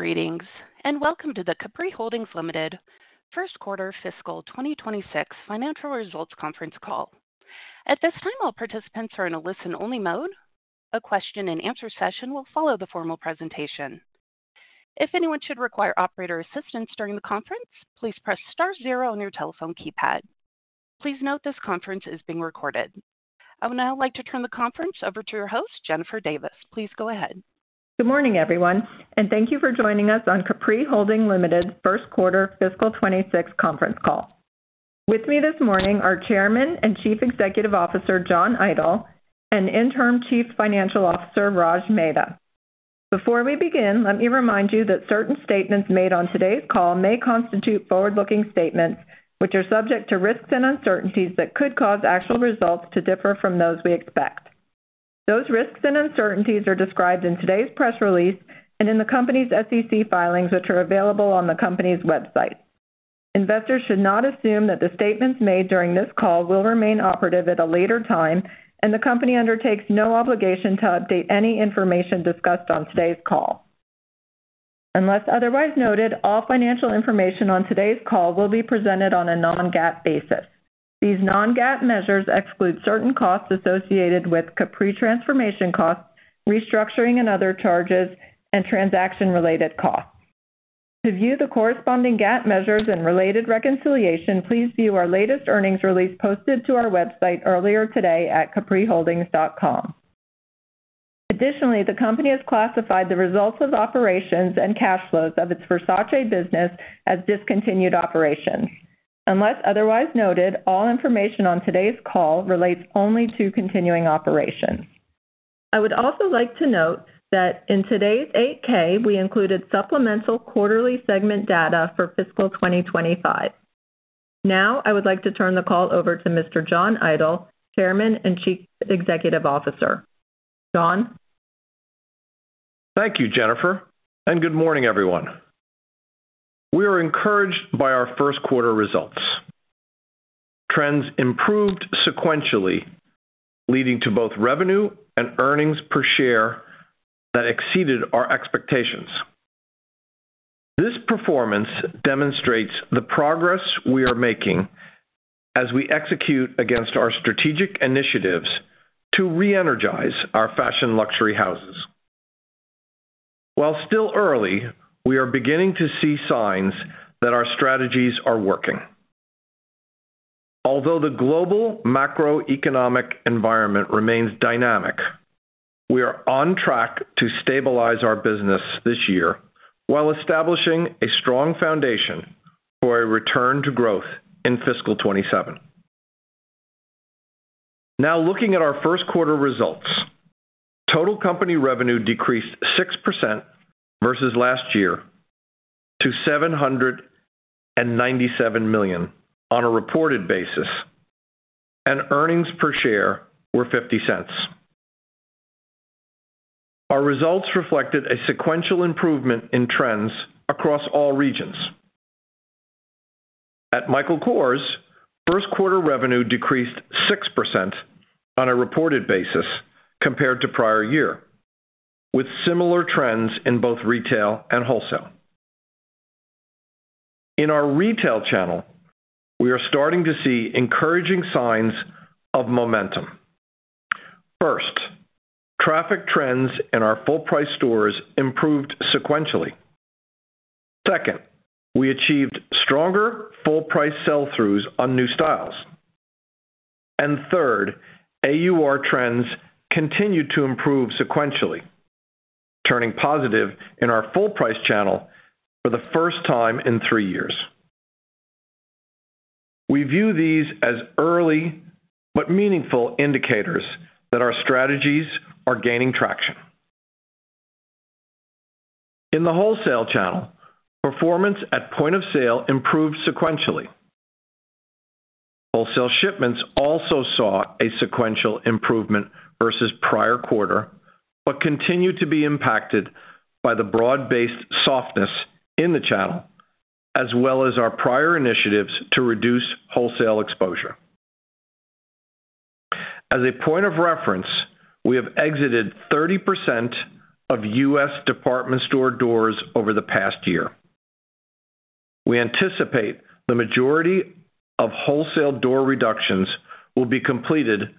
Greetings and welcome to the Capri Holdings Limited First Quarter Fiscal 2026 Financial Results Conference Call. At this time, all participants are in a listen-only mode. A question and answer session will follow the formal presentation. If anyone should require operator assistance during the conference, please press Star zero on your telephone keypad. Please note this conference is being recorded. I would now like to turn the conference over to your host, Jennifer Davis. Please go ahead. Good morning everyone and thank you for joining us on Capri Holdings Limited's first quarter fiscal 2026 conference call. With me this morning are Chairman and Chief Executive Officer John Idol and Interim Chief Financial Officer Rajal Mehta. Before we begin, let me remind you that certain statements made on today's call may constitute forward-looking statements which are subject to risks and uncertainties that could cause actual results to differ from those we expect. Those risks and uncertainties are described in today's press release and in the company's SEC filings which are available on the company's website. Investors should not assume that the statements made during this call will remain operative at a later time and the company undertakes no obligation to update any information discussed on today's call. Unless otherwise noted, all financial information on today's call will be presented on a non-GAAP basis. These non-GAAP measures exclude certain costs associated with Capri transformation costs, restructuring and other charges and transaction-related costs. To view the corresponding GAAP measures and related reconciliation, please view our latest earnings release posted to our website earlier today at capriholdings.com. Additionally, the Company has classified the results of operations and cash flows of its Versace business as discontinued operations. Unless otherwise noted, all information on today's call relates only to continuing operations. I would also like to note that in today's 8-K we included supplemental quarterly segment data for fiscal 2025. Now I would like to turn the call over to Mr. John Idol, Chairman and Chief Executive Officer. John. Thank you, Jennifer, and good morning everyone. We are encouraged by our first quarter results. Trends improved sequentially, leading to both revenue and earnings per share that exceeded our expectations. This performance demonstrates the progress we are making as we execute against our strategic initiatives to reenergize our fashion luxury houses. While still early, we are beginning to see signs that our strategies are working. Although the global macroeconomic environment remains dynamic, we are on track to stabilize our business this year while establishing a strong foundation for a return to growth in fiscal 2027. Now, looking at our first quarter results, total company revenue decreased 6% versus last year to $797 million on a reported basis, and earnings per share were $0.50. Our results reflected a sequential improvement in trends across all regions. At Michael Kors, first quarter revenue decreased 6% on a reported basis compared to prior year with similar trends in both retail and wholesale. In our retail channel, we are starting to see encouraging signs of momentum. First, traffic trends in our full-price stores improved sequentially. Second, we achieved stronger full-price sell-throughs on new styles, and third, average unit retail AUR trends continued to improve sequentially, turning positive in our full-price channel for the first time in three years. We view these as early but meaningful indicators that our strategies are gaining traction in the wholesale channel. Performance at point of sale improved sequentially. Wholesale shipments also saw a sequential improvement versus prior quarter but continue to be impacted by the broad-based softness in the channel as well as our prior initiatives to reduce wholesale exposure. As a point of reference, we have exited 30% of U.S. department store doors over the past year. We anticipate the majority of wholesale door reductions will be completed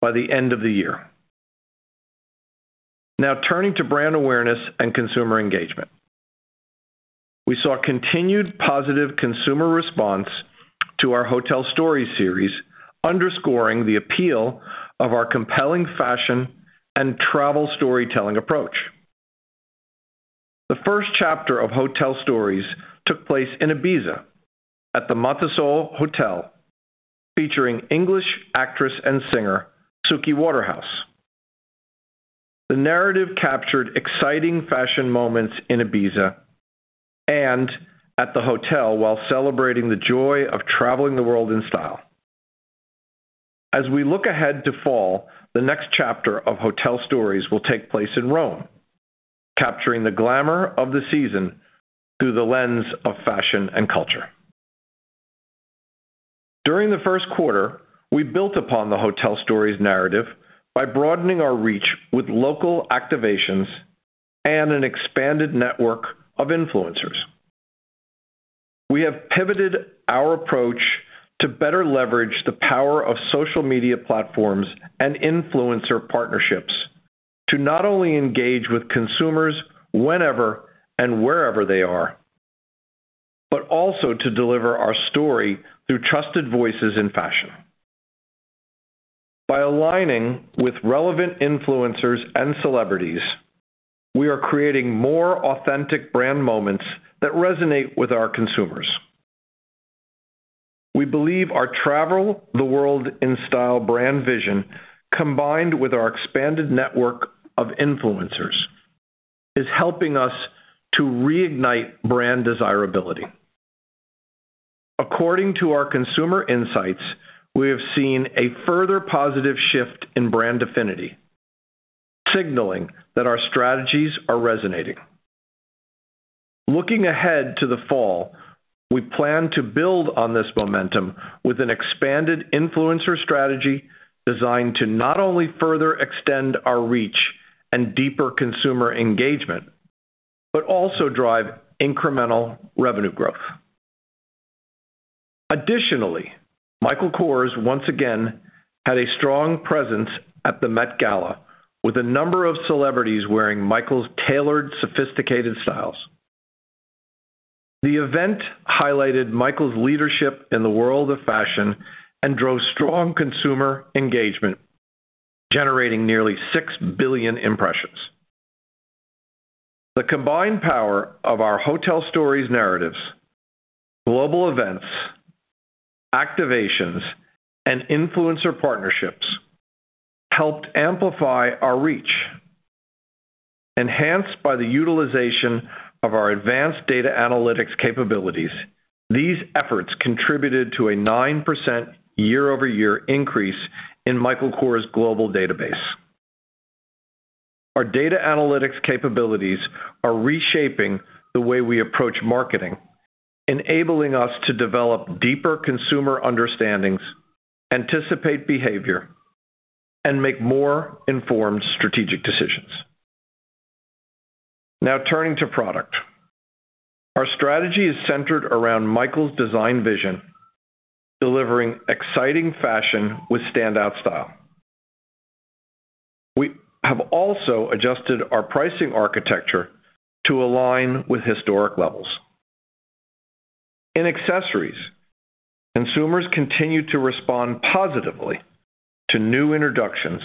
by the end of the year. Now turning to brand awareness and consumer engagement, we saw continued positive consumer response to our Hotel Stories campaign, underscoring the appeal of our compelling fashion and travel storytelling approach. The first chapter of Hotel Stories took place in Ibiza at the Matassol Hotel. Featuring English actress and singer Suki Waterhouse, the narrative captured exciting fashion moments in Ibiza and at the hotel while celebrating the joy of traveling the world in style. As we look ahead to fall, the next chapter of Hotel Stories will take place in Rome, capturing the glamour of the season through the lens of fashion and culture. During the first quarter, we built upon the Hotel Stories narrative by broadening our reach with local activations and an expanded network of influencers. We have pivoted our approach to better leverage the power of social media platforms and influencer partnerships to not only engage with consumers whenever and wherever they are, but also to deliver our story through trusted voices in fashion. By aligning with relevant influencers and celebrities, we are creating more authentic brand moments that resonate with our consumers. We believe our travel the world in style brand vision combined with our expanded network of influencers is helping us to reignite brand desirability. According to our Consumer Insights, we have seen a further positive shift in brand affinity, signaling that our strategies are resonating. Looking ahead to the fall, we plan to build on this momentum with an expanded influencer strategy designed to not only further extend our reach and deeper consumer engagement, but also drive incremental revenue growth. Additionally, Michael Kors once again had a strong presence at the Met Gala with a number of celebrities wearing Michael's tailored sophisticated styles. The event highlighted Michael's leadership in the world of fashion and drove strong consumer engagement, generating nearly 6 billion impressions. The combined power of our Hotel Stories narratives, global events, activations, and influencer partnerships helped amplify our reach, enhanced by the utilization of our advanced data analytics capabilities. These efforts contributed to a 9% year over year increase in Michael Kors global database. Our data analytics capabilities are reshaping the way we approach marketing, enabling us to develop deeper consumer understandings, anticipate behavior, and make more informed strategic decisions. Now turning to product, our strategy is centered around Michael's design vision, delivering exciting fashion with standout style. We have also adjusted our pricing architecture to align with historic levels in accessories. Consumers continue to respond positively to new introductions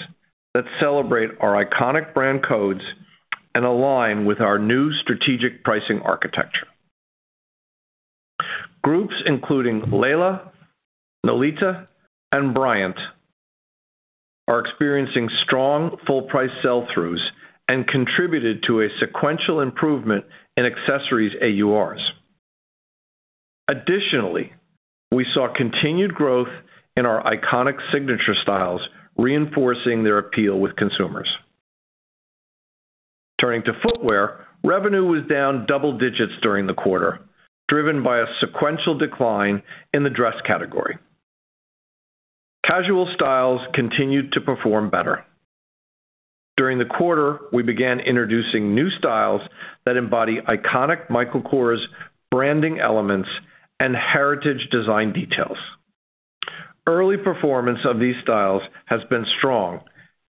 that celebrate our iconic brand codes and align with our new strategic pricing architecture. Groups including Layla, Nolita, and Bryant are experiencing strong full-price sell-throughs and contributed to a sequential improvement in accessories AURs. Additionally, we saw continued growth in our iconic signature styles, reinforcing their appeal with consumers turning to footwear. Revenue was down double digits during the quarter, driven by a sequential decline in the dress category. Casual styles continued to perform better during the quarter. We began introducing new styles that embody iconic Michael Kors branding elements and heritage design details. Early performance of these styles has been strong,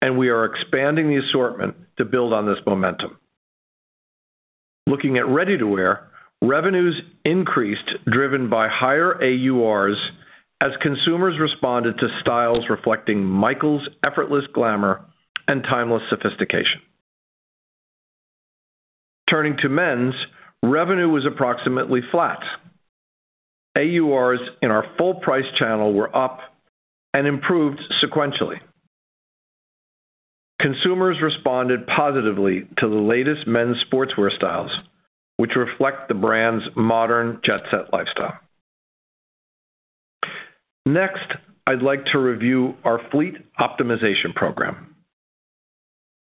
and we are expanding the assortment to build on this momentum. Looking at ready-to-wear, revenues increased, driven by higher AURs as consumers responded to styles reflecting Michael's effortless glamour and timeless sophistication. Turning to men's, revenue was approximately flat. AURs in our full-price channel were up and improved sequentially. Consumers responded positively to the latest men's sportswear styles, which reflect the brand's modern jet set lifestyle. Next, I'd like to review our fleet optimization program.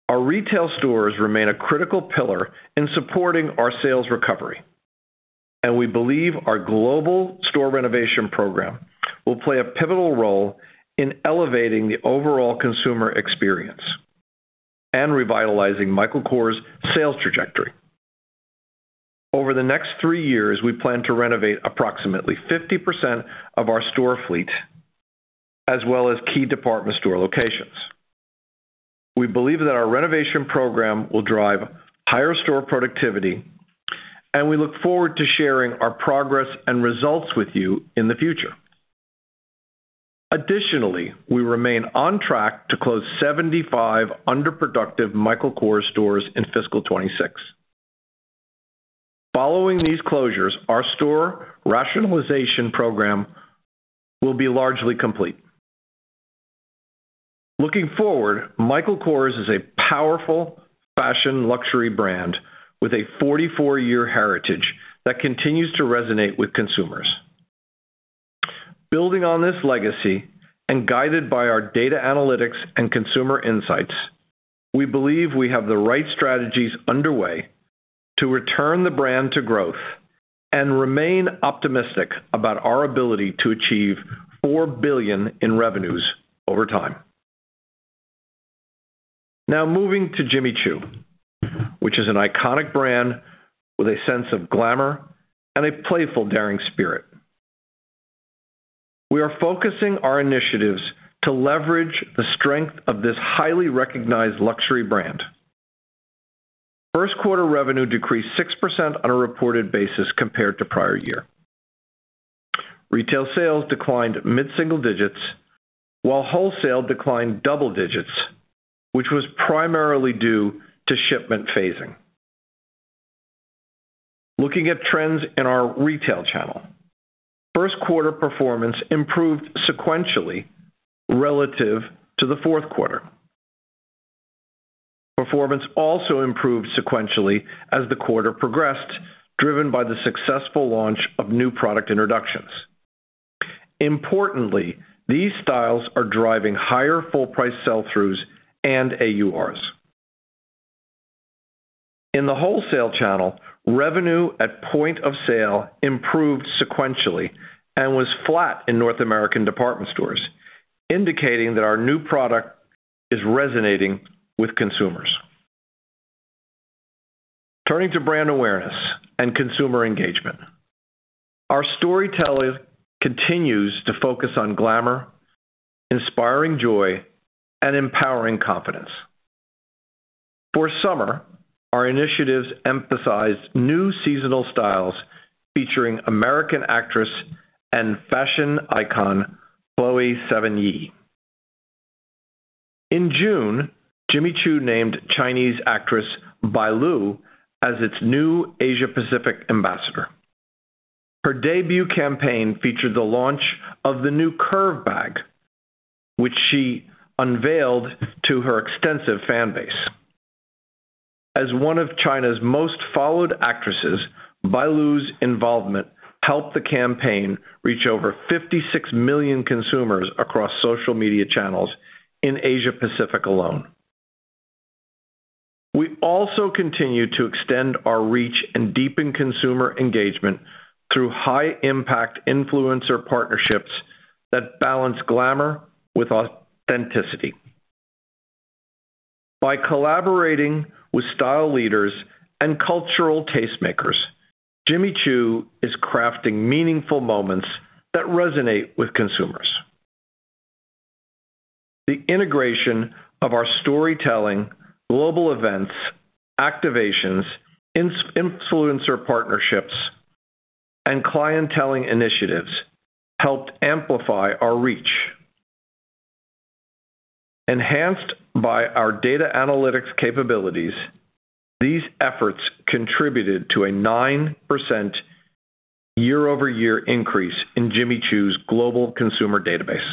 Our retail stores remain a critical pillar in supporting our sales recovery, and we believe our global store renovation program will play a pivotal role in elevating the overall consumer experience and revitalizing Michael Kors sales trajectory. Over the next three years, we plan to renovate approximately 50% of our store fleet as well as key department store locations. We believe that our renovation program will drive higher store productivity, and we look forward to sharing our progress and results with you in the future. Additionally, we remain on track to close 75 underproductive Michael Kors stores in fiscal 2026. Following these closures, our store rationalization program will be largely complete. Looking forward, Michael Kors is a powerful fashion luxury brand with a 44-year heritage that continues to resonate with consumers. Building on this legacy and guided by our data analytics and consumer insights, we believe we have the right strategies underway to return the brand to growth and remain optimistic about our ability to achieve $4 billion in revenues over time. Now moving to Jimmy Choo, which is an iconic brand with a sense of glamour and a playful, daring spirit, we are focusing our initiatives to leverage the strength of this highly recognized luxury brand. First quarter revenue decreased 6% on a reported basis compared to prior year. Retail sales declined mid single digits while wholesale declined double digits, which was primarily due to shipment phasing. Looking at trends in our retail channel, first quarter performance improved sequentially relative to the fourth quarter. Performance also improved sequentially as the quarter progressed, driven by the successful launch of new product introductions. Importantly, these styles are driving higher full-price sell-throughs and AURs in the wholesale channel. Revenue at point of sale improved sequentially and was flat in North American department stores, indicating that our new product is resonating with consumers. Turning to brand awareness and consumer engagement, our storytelling continues to focus on glamour, inspiring joy, and empowering confidence. For summer, our initiatives emphasized new seasonal styles featuring American actress and fashion icon Chloe Sevigny. In June, Jimmy Choo named Chinese actress Bai Lu as its new Asia Pacific Ambassador. Her debut campaign featured the launch of the new Curve bag, which she unveiled to her extensive fan base. As one of China's most followed actresses, Bai Lu's involvement helped the campaign reach over 56 million consumers across social media channels in Asia Pacific alone. We also continue to extend our reach and deepen consumer engagement through high-impact influencer partnerships that balance glamour with authenticity. By collaborating with style leaders and cultural tastemakers, Jimmy Choo is crafting meaningful moments that resonate with consumers. The integration of our storytelling, global events activations, influencer partnerships, and clientelling initiatives helped amplify our reach, enhanced by our data analytics capabilities. These efforts contributed to a 9% year-over-year increase in Jimmy Choo's global consumer database.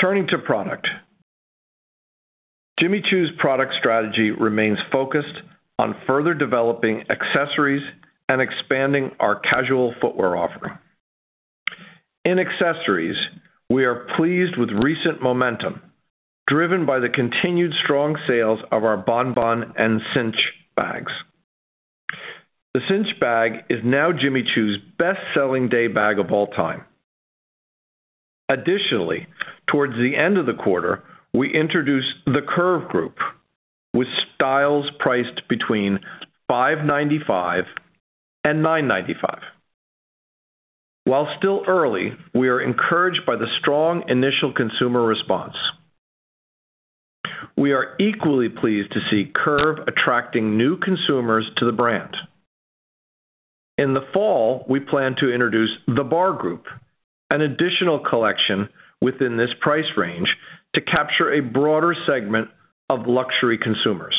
Turning to product, Jimmy Choo's product strategy remains focused on further developing accessories and expanding our casual footwear offering in accessories. We are pleased with recent momentum driven by the continued strong sales of our Bonbon and Cinch bags. The Cinch bag is now Jimmy Choo's best-selling day bag of all time. Additionally, towards the end of the quarter, we introduced the Curve group with styles priced between $595 and $995. While still early, we are encouraged by the strong initial consumer response. We are equally pleased to see Curve attracting new consumers to the brand. In the fall, we plan to introduce the Bar group, an additional collection within this price range to capture a broader segment of luxury consumers.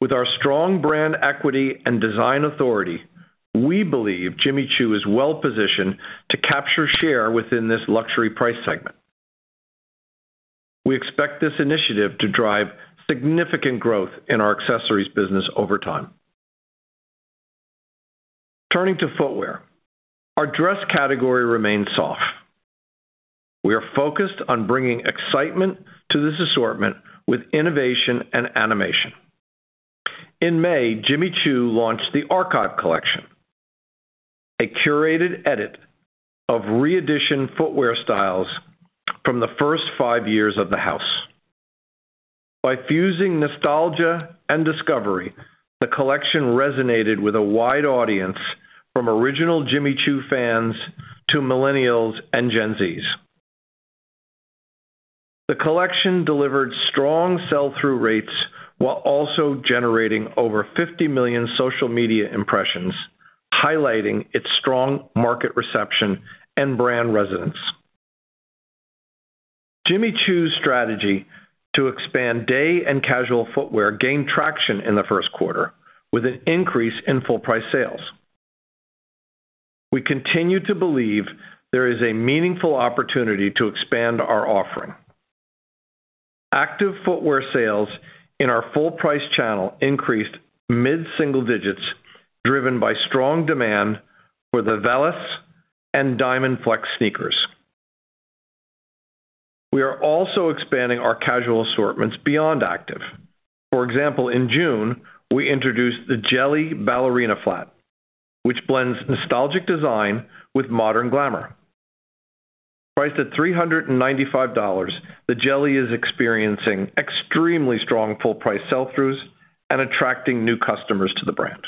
With our strong brand equity and design authority, we believe Jimmy Choo is well positioned to capture share within this luxury price segment. We expect this initiative to drive significant growth in our accessories business over time. Turning to footwear, our dress category remains soft. We are focused on bringing excitement to this assortment with innovation and animation. In May, Jimmy Choo launched the Archive collection, a curated edit of RE Edition footwear styles from the first five years of the house. By fusing nostalgia and discovery, the collection resonated with a wide audience from original Jimmy Choo fans to Millennials and Gen Zs. The collection delivered strong sell-through rates while also generating over $50 million social media impressions, highlighting its strong market reception and brand resonance. Jimmy Choo's strategy to expand day and casual footwear gained traction in the first quarter with an increase in full-price sales. We continue to believe there is a meaningful opportunity to expand our offering. Active footwear sales in our full-price channel increased mid single digits, driven by strong demand for the Vales and Diamond Flex sneakers. We are also expanding our casual assortments beyond active. For example, in June, we introduced the Jelly Ballerina Flat, which blends nostalgic design with modern glamour. Priced at $395, the jelly is experiencing extremely strong full-price sell-throughs and attracting new customers to the brand.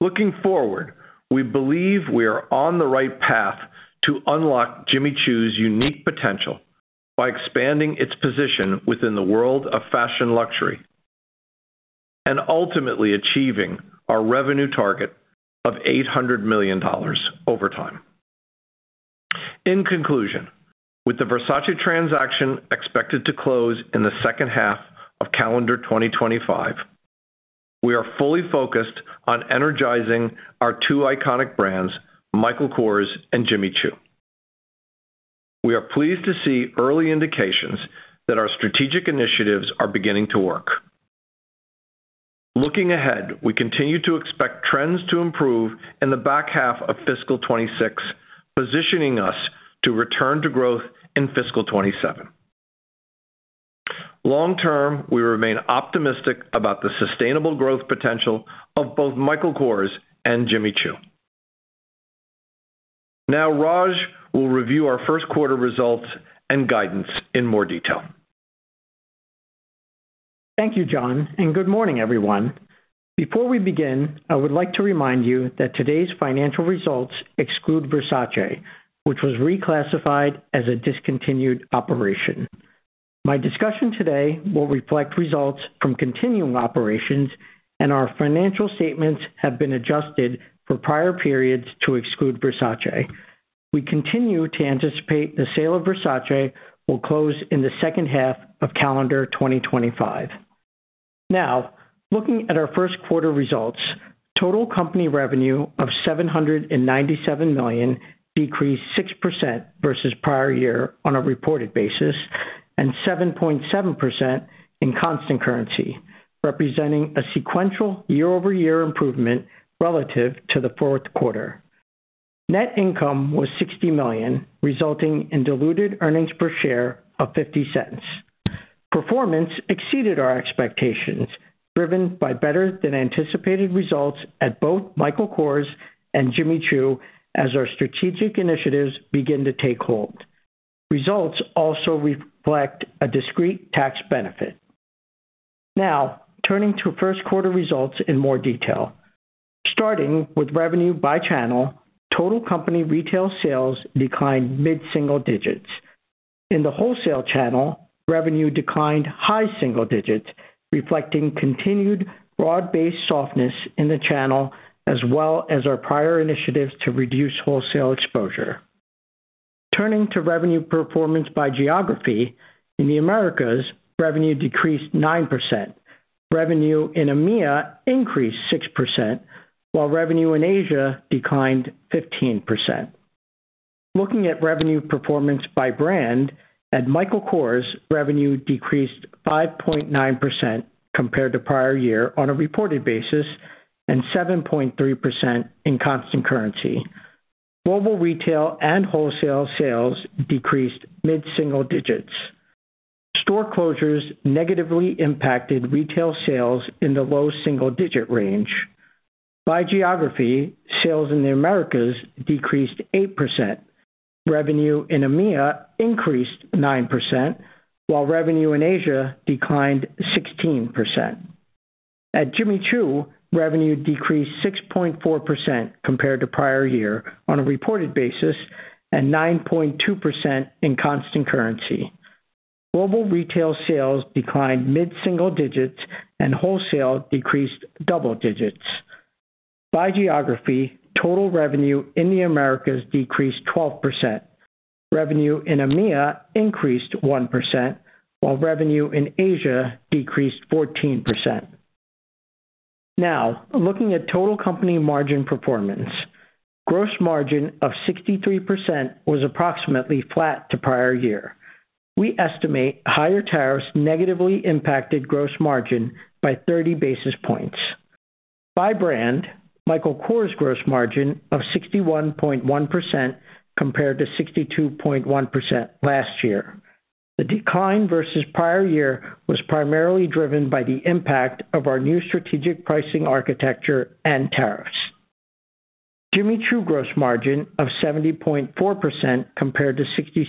Looking forward, we believe we are on the right path to unlock Jimmy Choo's unique potential by expanding its position within the world of fashion, luxury, and ultimately achieving our revenue target of $800 million over time. In conclusion, with the Versace transaction expected to close in the second half of calendar 2025, we are fully focused on energizing our two iconic brands, Michael Kors and Jimmy Choo. We are pleased to see early indications that our strategic initiatives are beginning to work. Looking ahead, we continue to expect trends to improve in the back half of fiscal 2026, positioning us to return to growth in fiscal 2027. Long term, we remain optimistic about the sustainable growth potential of both Michael Kors and Jimmy Choo. Now Rajal Mehta will review our first quarter results and guidance in more detail. Thank you, John, and good morning, everyone. Before we begin, I would like to remind you that today's financial results exclude Versace, which was reclassified as a discontinued operation. My discussion today will reflect results from continuing operations, and our financial statements have been adjusted for prior periods to exclude Versace. We continue to anticipate the sale of Versace will close in the second half of calendar 2025. Now, looking at our first quarter results, total company revenue of $797 million decreased 6% versus prior year on a reported basis and 7.7% in constant currency, representing a sequential year-over-year improvement. Relative to the fourth quarter, net income was $60 million, resulting in diluted earnings per share of $0.50. Performance exceeded our expectations, driven by better than anticipated results at both Michael Kors and Jimmy Choo as our strategic initiatives begin to take hold. Results also reflect a discrete tax benefit. Now turning to first quarter results in more detail, starting with revenue by channel, total company retail sales declined mid single digits. In the wholesale channel, revenue declined high single digits, reflecting continued broad-based softness in the channel as well as our prior initiatives to reduce wholesale exposure. Turning to revenue performance by geography, in the Americas, revenue decreased 9%. Revenue in EMEA increased 6%, while revenue in Asia declined 15%. Looking at revenue performance by brand, at Michael Kors, revenue decreased 5.9% compared to prior year on a reported basis and 7.3% in constant currency. Global retail and wholesale sales decreased mid single digits. Store closures negatively impacted retail sales in the low single digit range. By geography, sales in the Americas decreased 8%. Revenue in EMEA increased 9%, while revenue in Asia declined 16%. At Jimmy Choo, revenue decreased 6.4% compared to prior year on a reported basis and 9.2% in constant currency. Global retail sales declined mid single digits, and wholesale decreased double digits. By geography, total revenue in the Americas decreased 12%. Revenue in EMEA increased 1%, while revenue in Asia decreased 14%. Now looking at total company margin performance, gross margin of 63% was approximately flat to prior year. We estimate higher tariffs negatively impacted gross margin by 30 basis points. By brand, Michael Kors gross margin of 61.1% compared to 62.1% last year. The decline versus prior year was primarily driven by the impact of our new strategic pricing architecture and tariffs. Jimmy Choo gross margin of 70.4% compared to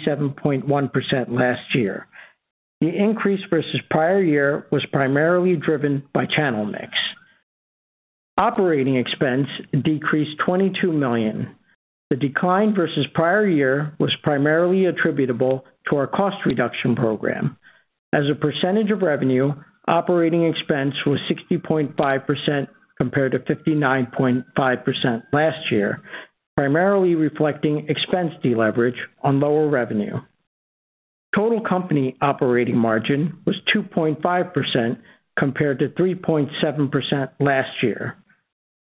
67.1% last year. The increase versus prior year was primarily driven by channel mix. Operating expense decreased $22 million. The decline versus prior year was primarily attributable to our cost reduction program. As a percentage of revenue, operating expense was 60.5% compared to 59.5% last year, primarily reflecting expense deleverage on lower revenue. Total company operating margin was 2.5% compared to 3.7% last year.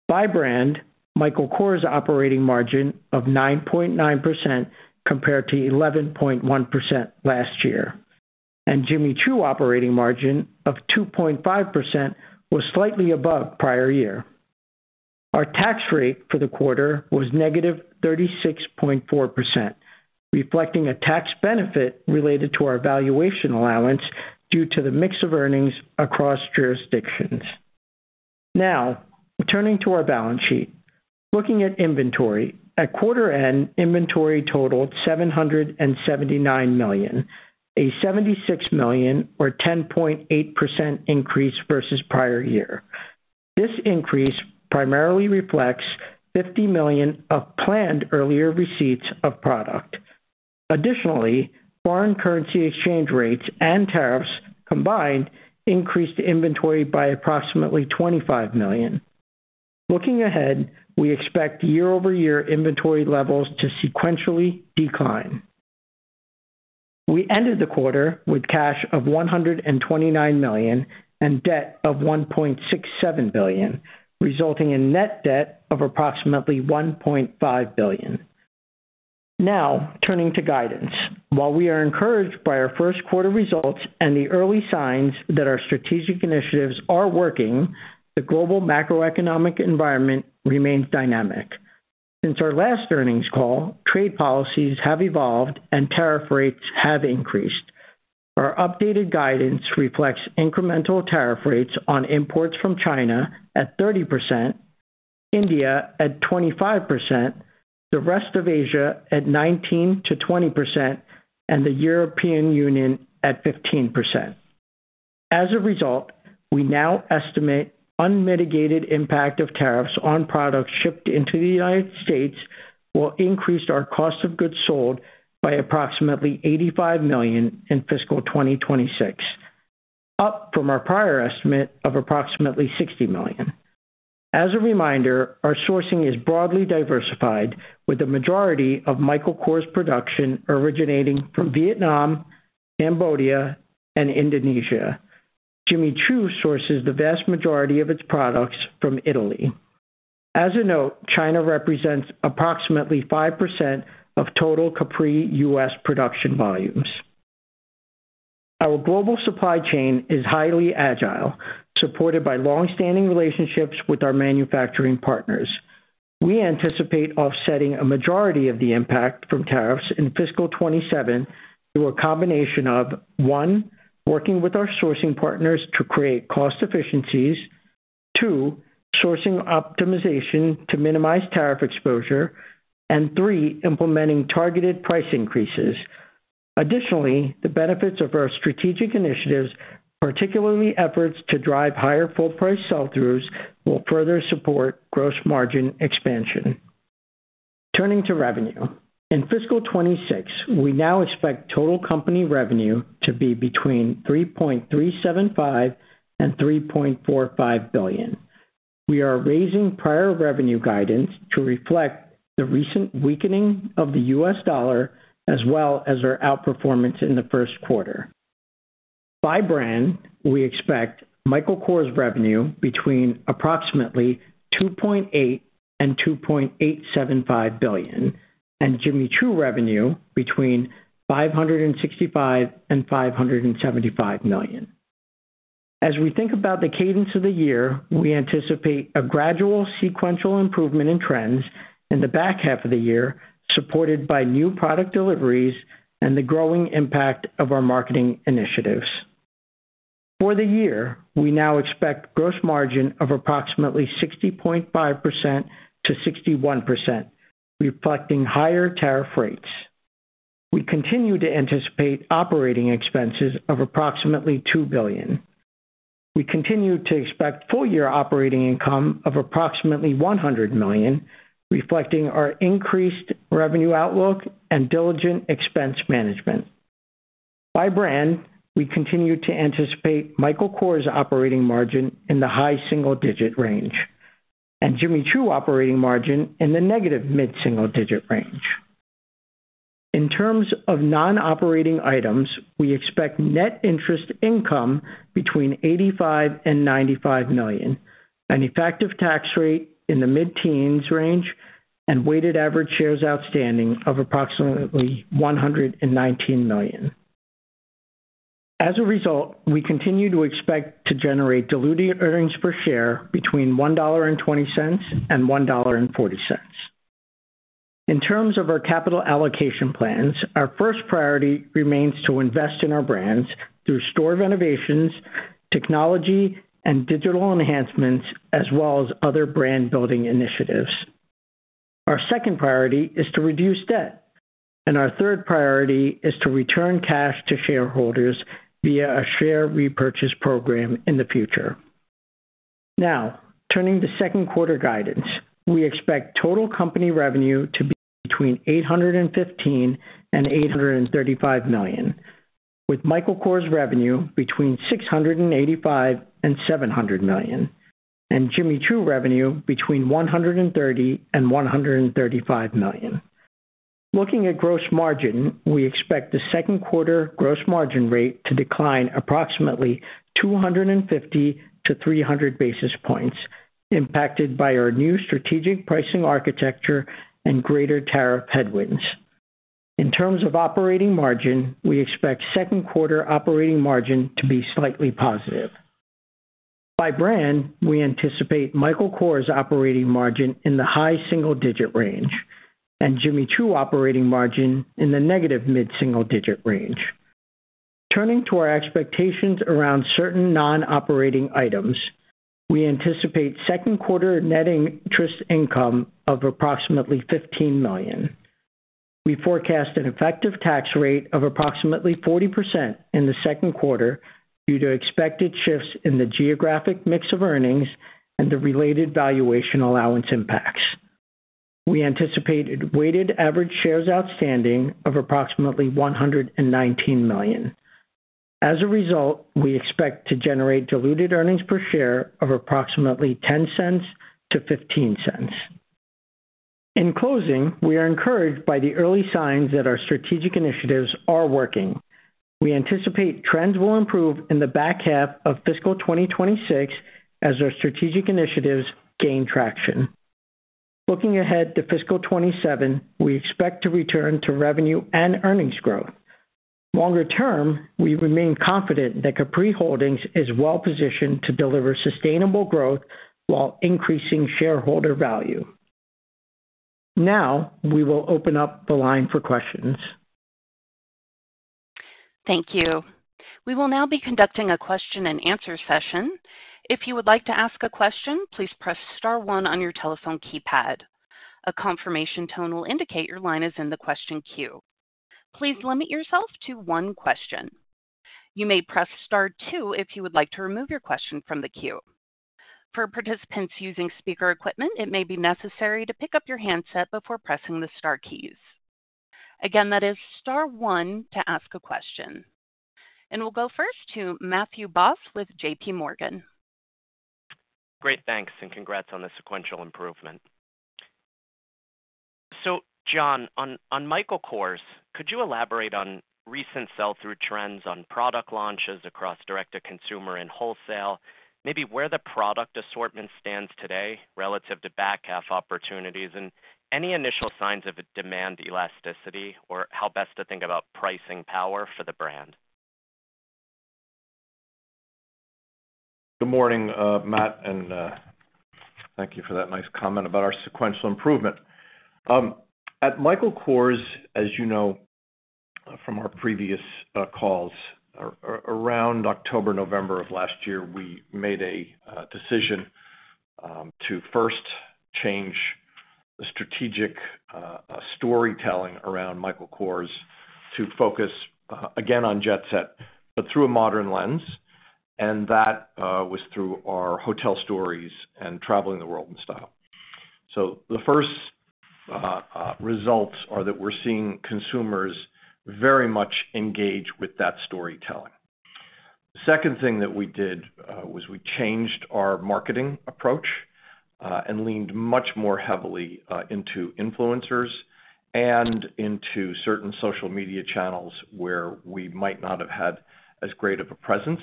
By brand, Michael Kors operating margin of 9.9% compared to 11.1% last year and Jimmy Choo operating margin of 2.5% was slightly above prior year. Our tax rate for the quarter was -36.4%, reflecting a tax benefit related to our valuation allowance due to the mix of earnings across jurisdictions. Now turning to our balance sheet. Looking at inventory at quarter end, inventory totaled $779 million, a $76 million or 10.8% increase versus prior year inventory. This increase primarily reflects $50 million of planned earlier receipts of product. Additionally, foreign currency exchange rates and tariffs combined increased inventory by approximately $25 million. Looking ahead, we expect year over year inventory levels to sequentially decline. We ended the quarter with cash of $129 million and debt of $1.67 billion, resulting in net debt of approximately $1.5 billion. Now turning to guidance. While we are encouraged by our first quarter results and the early signs that our strategic initiatives are working, the global macroeconomic environment remains dynamic. Since our last earnings call, trade policies have evolved and tariff rates have increased. Our updated guidance reflects incremental tariff rates on imports from China at 30%, India at 25%, the rest of Asia at 19%-20% and the European Union at 15%. As a result, we now estimate unmitigated impact of tariffs on products shipped into the U.S. will increase our cost of goods sold by approximately $85 million in fiscal 2026, up from our prior estimate of approximately $60 million. As a reminder, our sourcing is broadly diversified with the majority of Michael Kors production originating from Vietnam, Cambodia and Indonesia. Jimmy Choo sources the vast majority of its products from Italy. As a note, China represents approximately 5% of total Capri U.S. production volumes. Our global supply chain is highly agile, supported by long-standing relationships with our manufacturing partners. We anticipate offsetting a majority of the impact from tariffs in fiscal 2027 through a combination of: one working with our sourcing partners to create cost efficiencies, two sourcing optimization to minimize tariff exposure, and three implementing targeted price increases. Additionally, the benefits of our strategic initiatives, particularly efforts to drive higher full-price sell-throughs, will further support gross margin expansion. Turning to revenue in fiscal 2026, we now expect total company revenue to be between $3.375 billion and $3.45 billion. We are raising prior revenue guidance to reflect the recent weakening of the U.S. dollar as well as our outperformance in the first quarter. By brand, we expect Michael Kors revenue between approximately $2.8 billion and $2.875 billion, and Jimmy Choo revenue between $565 million and $575 million. As we think about the cadence of the year, we anticipate a gradual sequential improvement in trends in the back half of the year, supported by new product deliveries and the growing impact of our marketing initiatives. For the year, we now expect gross margin of approximately 60.5%-61%, reflecting higher tariff rates. We continue to anticipate operating expenses of approximately $2 billion. We continue to expect full-year operating income of approximately $100 million, reflecting our increased revenue outlook and diligent expense management. By brand, we continue to anticipate Michael Kors operating margin in the high single-digit range and Jimmy Choo operating margin in the negative mid single-digit range. In terms of non-operating items, we expect net interest income between $85 million and $95 million, an effective tax rate in the mid-teens range, and weighted average shares outstanding of approximately 119 million. As a result, we continue to expect to generate diluted earnings per share between $1.20 and $1.40. In terms of our capital allocation plans, our first priority remains to invest in our brands through store renovations, technology and digital enhancements, as well as other brand-building initiatives. Our second priority is to reduce debt, and our third priority is to return cash to shareholders via a share repurchase program in the future. Now turning to second quarter guidance, we expect total company revenue to be between $815 million and $835 million, with Michael Kors revenue between $685 million and $700 million, and Jimmy Choo revenue between $130 million and $135 million. Looking at gross margin, we expect the second quarter gross margin rate to decline approximately 250-300 basis points, impacted by our new strategic pricing architecture and greater tariff headwinds. In terms of operating margin, we expect second quarter operating margin to be slightly positive. By brand, we anticipate Michael Kors operating margin in the high single digit range and Jimmy Choo operating margin in the negative mid single digit range. Turning to our expectations around certain non operating items, we anticipate second quarter net interest income of approximately $15 million. We forecast an effective tax rate of approximately 40% in the second quarter due to expected shifts in the geographic mix of earnings and the related valuation allowance impacts. We anticipate weighted average shares outstanding of approximately 119 million. As a result, we expect to generate diluted earnings per share of approximately $0.10-$0.15. In closing, we are encouraged by the early signs that our strategic initiatives are working. We anticipate trends will improve in the back half of fiscal 2026 as our strategic initiatives gain traction. Looking ahead to fiscal 2027, we expect to return to revenue and earnings growth. Longer term, we remain confident that Capri Holdings is well positioned to deliver sustainable growth while increasing shareholder value. Now we will open up the line for questions. Thank you. We will now be conducting a question and answer session. If you would like to ask a question, please press Star one on your telephone keypad. A confirmation tone will indicate your line is in the question queue. Please limit yourself to one question. You may press Star two if you would like to remove your question from the queue. For participants using speaker equipment, it may be necessary to pick up your handset before pressing the star keys. Again, that is Star one to ask a question. We will go first to Matt Boss with JP Morgan. Great, thanks and congrats on the sequential improvement. John, on Michael Kors, could you. Elaborate on recent sell-through trends on product launches across direct to consumer and wholesale. Maybe where the product assortment stands today relative to back half opportunities and any initial signs of demand elasticity or how best to think about pricing power for the brand? Good morning, Matt, and thank you for that nice comment about our sequential improvement at Michael Kors. As you know from our previous calls, around October, November of last year we made a decision to first change the strategic storytelling around Michael Kors to focus again on jet set but through a modern lens. That was through our Hotel Stories and traveling the world in style. The first results are that we're seeing consumers very much engage with that storytelling. The second thing that we did was we changed our marketing approach and leaned much more heavily into influencers and into certain social media channels where we might not have had as great of a presence.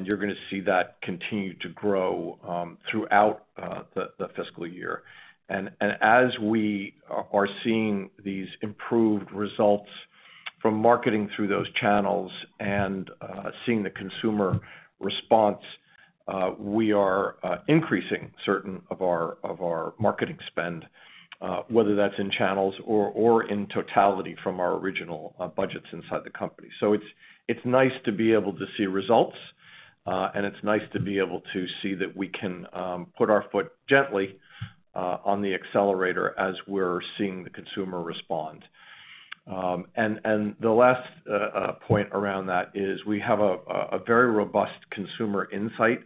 You are going to see that continue to grow throughout the fiscal year. As we are seeing these improved results from marketing through those channels and seeing the consumer response, we are increasing certain of our marketing spend, whether that's in channels or in totality from our original budgets inside the company. It's nice to be able to see results and it's nice to be able to see that we can put our foot gently on the accelerator as we're seeing the consumer respond. The last point around that is we have a very robust consumer insight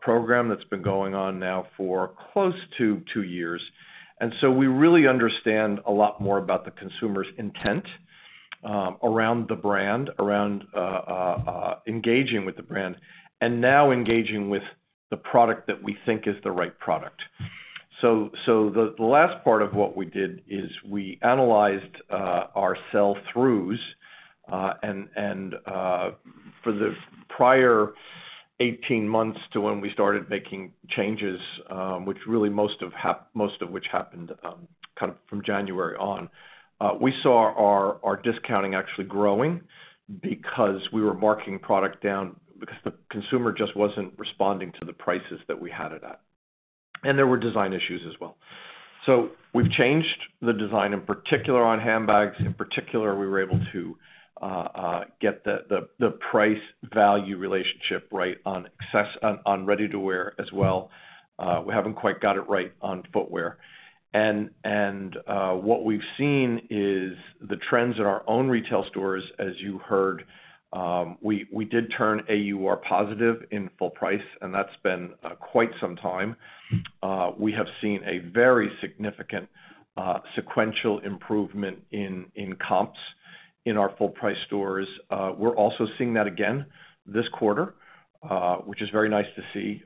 program that's been going on now for close to two years. We really understand a lot more about the consumer's intent around the brand, around engaging with the brand, and now engaging with the product that we think is the right product. The last part of what we did is we analyzed our sell-throughs for the prior 18 months to when we started making changes, most of which happened from January on. We saw our discounting actually growing because we were marking product down because the consumer just wasn't responding to the prices that we had it at. There were design issues as well. We've changed the design, in particular on handbags. In particular, we were able to get the price value relationship right on ready to wear as well. We haven't quite got it right on footwear, and what we've seen is the trends in our own retail stores. As you heard, we did turn AUR positive in full price and that's been quite some time. We have seen a very significant sequential improvement in comps in our full-price stores. We're also seeing that again this quarter, which is very nice to see.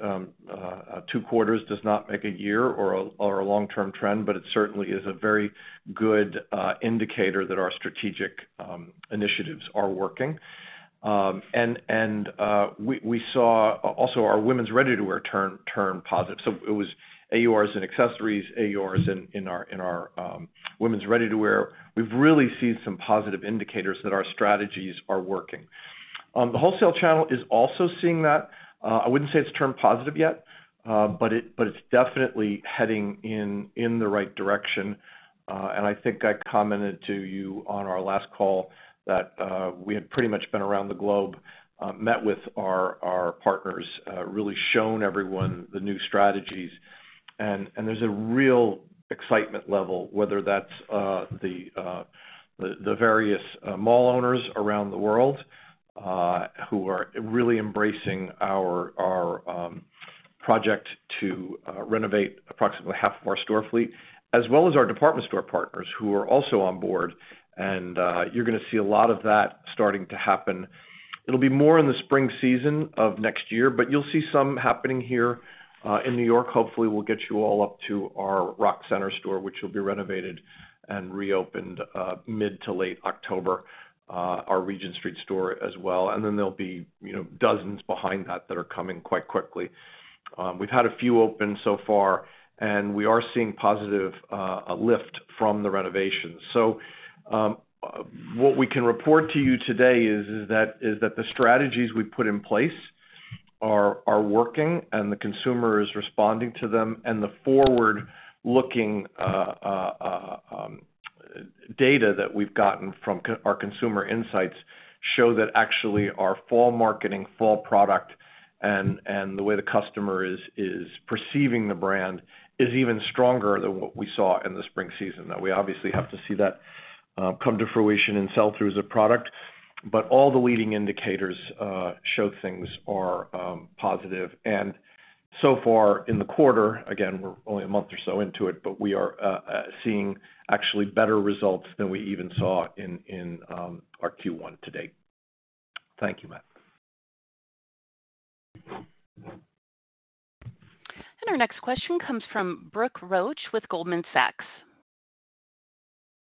Two quarters does not make a year or a long-term trend. It certainly is a very good indicator that our strategic initiatives are working. We saw also our Women's Ready to Wear turn positive. It was AURs in accessories, AURs in our Women's Ready to Wear. We've really seen some positive indicators that our strategies are working. The wholesale channel is also seeing that. I wouldn't say it's turned positive yet, but it's definitely heading in the right direction. I think I commented to you on our last call that we had pretty much been around the globe, met with our partners, really shown everyone the new strategies, and there's a real excitement level, whether that's the various mall owners around the world who are really embracing our project to renovate approximately half of our store fleet, as well as our department store partners who are also on board. You're going to see a lot of that starting to happen. It'll be more in the spring season of next year, but you'll see some happening here in New York. Hopefully we'll get you all up to our Rockefeller center store, which will be renovated and reopened mid to late October, our Regent Street store as well. There will be dozens behind that that are coming quite quickly. We've had a few open so far, and we are seeing positive lift from the renovations. What we can report to you today is that the strategies we put in place are working, and the consumer is responding to them. The forward-looking data that we've gotten from our Consumer Insights show that actually our fall marketing, fall product, and the way the customer is perceiving the brand is even stronger than what we saw in the spring season. We obviously have to see that come to fruition and sell through as a product, but all the leading indicators show things are positive. So far in the quarter, again, we're only a month or so into it, but we are seeing actually better results than we even saw in our Q1 to date. Thank you, Matt. Our next question comes from Brooke Roach with Goldman Sachs.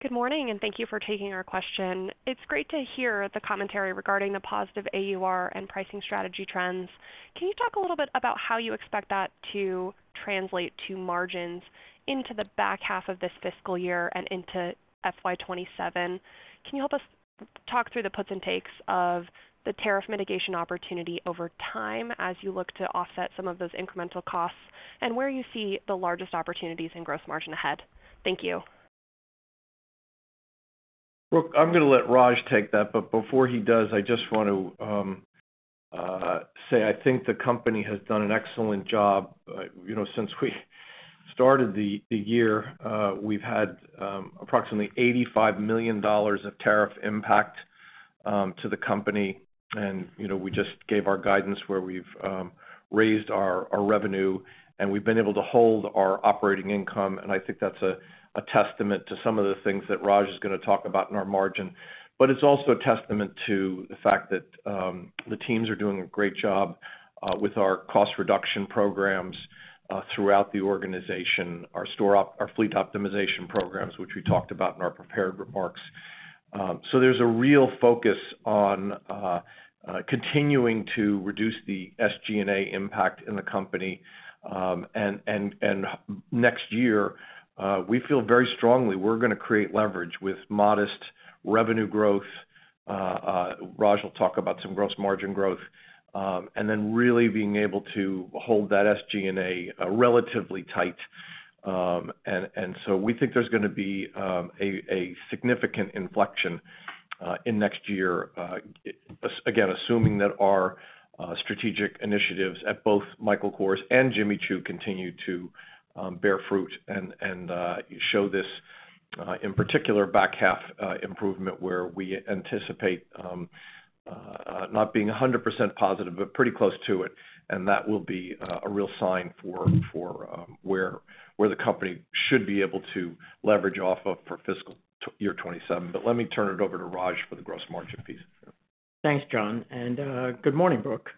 Good morning and thank you for taking our question. It's great to hear the commentary regarding the positive AUR and pricing strategy trends. Can you talk a little bit about how you expect that to translate to margins into the back half of this fiscal year and into FY 2027? Can you help us talk through the puts and takes of the tariff mitigation opportunity over time as you look to offset some of those incremental costs and where you see the largest opportunities in gross margin ahead? Thank you. I'm going to let Raj take that, but before he does, I just want to say I think the company has done an excellent job. Since we started the year, we've had approximately $85 million of tariff impact to the company. We just gave our guidance where we've raised our revenue and we've been able to hold our operating income. I think that's a testament to some of the things that Raj is going to talk about in our margin. It's also a testament to the fact that the teams are doing a great job with our cost reduction programs throughout the organization, our store, our fleet optimization programs, which we talked about in our prepared remarks. There's a real focus on continuing to reduce the SGA impact in the company. Next year we feel very strongly we're going to create leverage with modest revenue growth. Raj will talk about some gross margin growth and then really being able to hold that SGA relatively tight. We think there's going to be a significant inflection in next year, again assuming that our strategic initiatives at both Michael Kors and Jimmy Choo continue to bear fruit and show this in particular back half improvement where we anticipate not being 100% positive but pretty close to it. That will be a real sign for where the company should be able to leverage off of for fiscal year 2027. Let me turn it over to Raj for the gross margin fees. Thanks, John, and good morning, Brooke.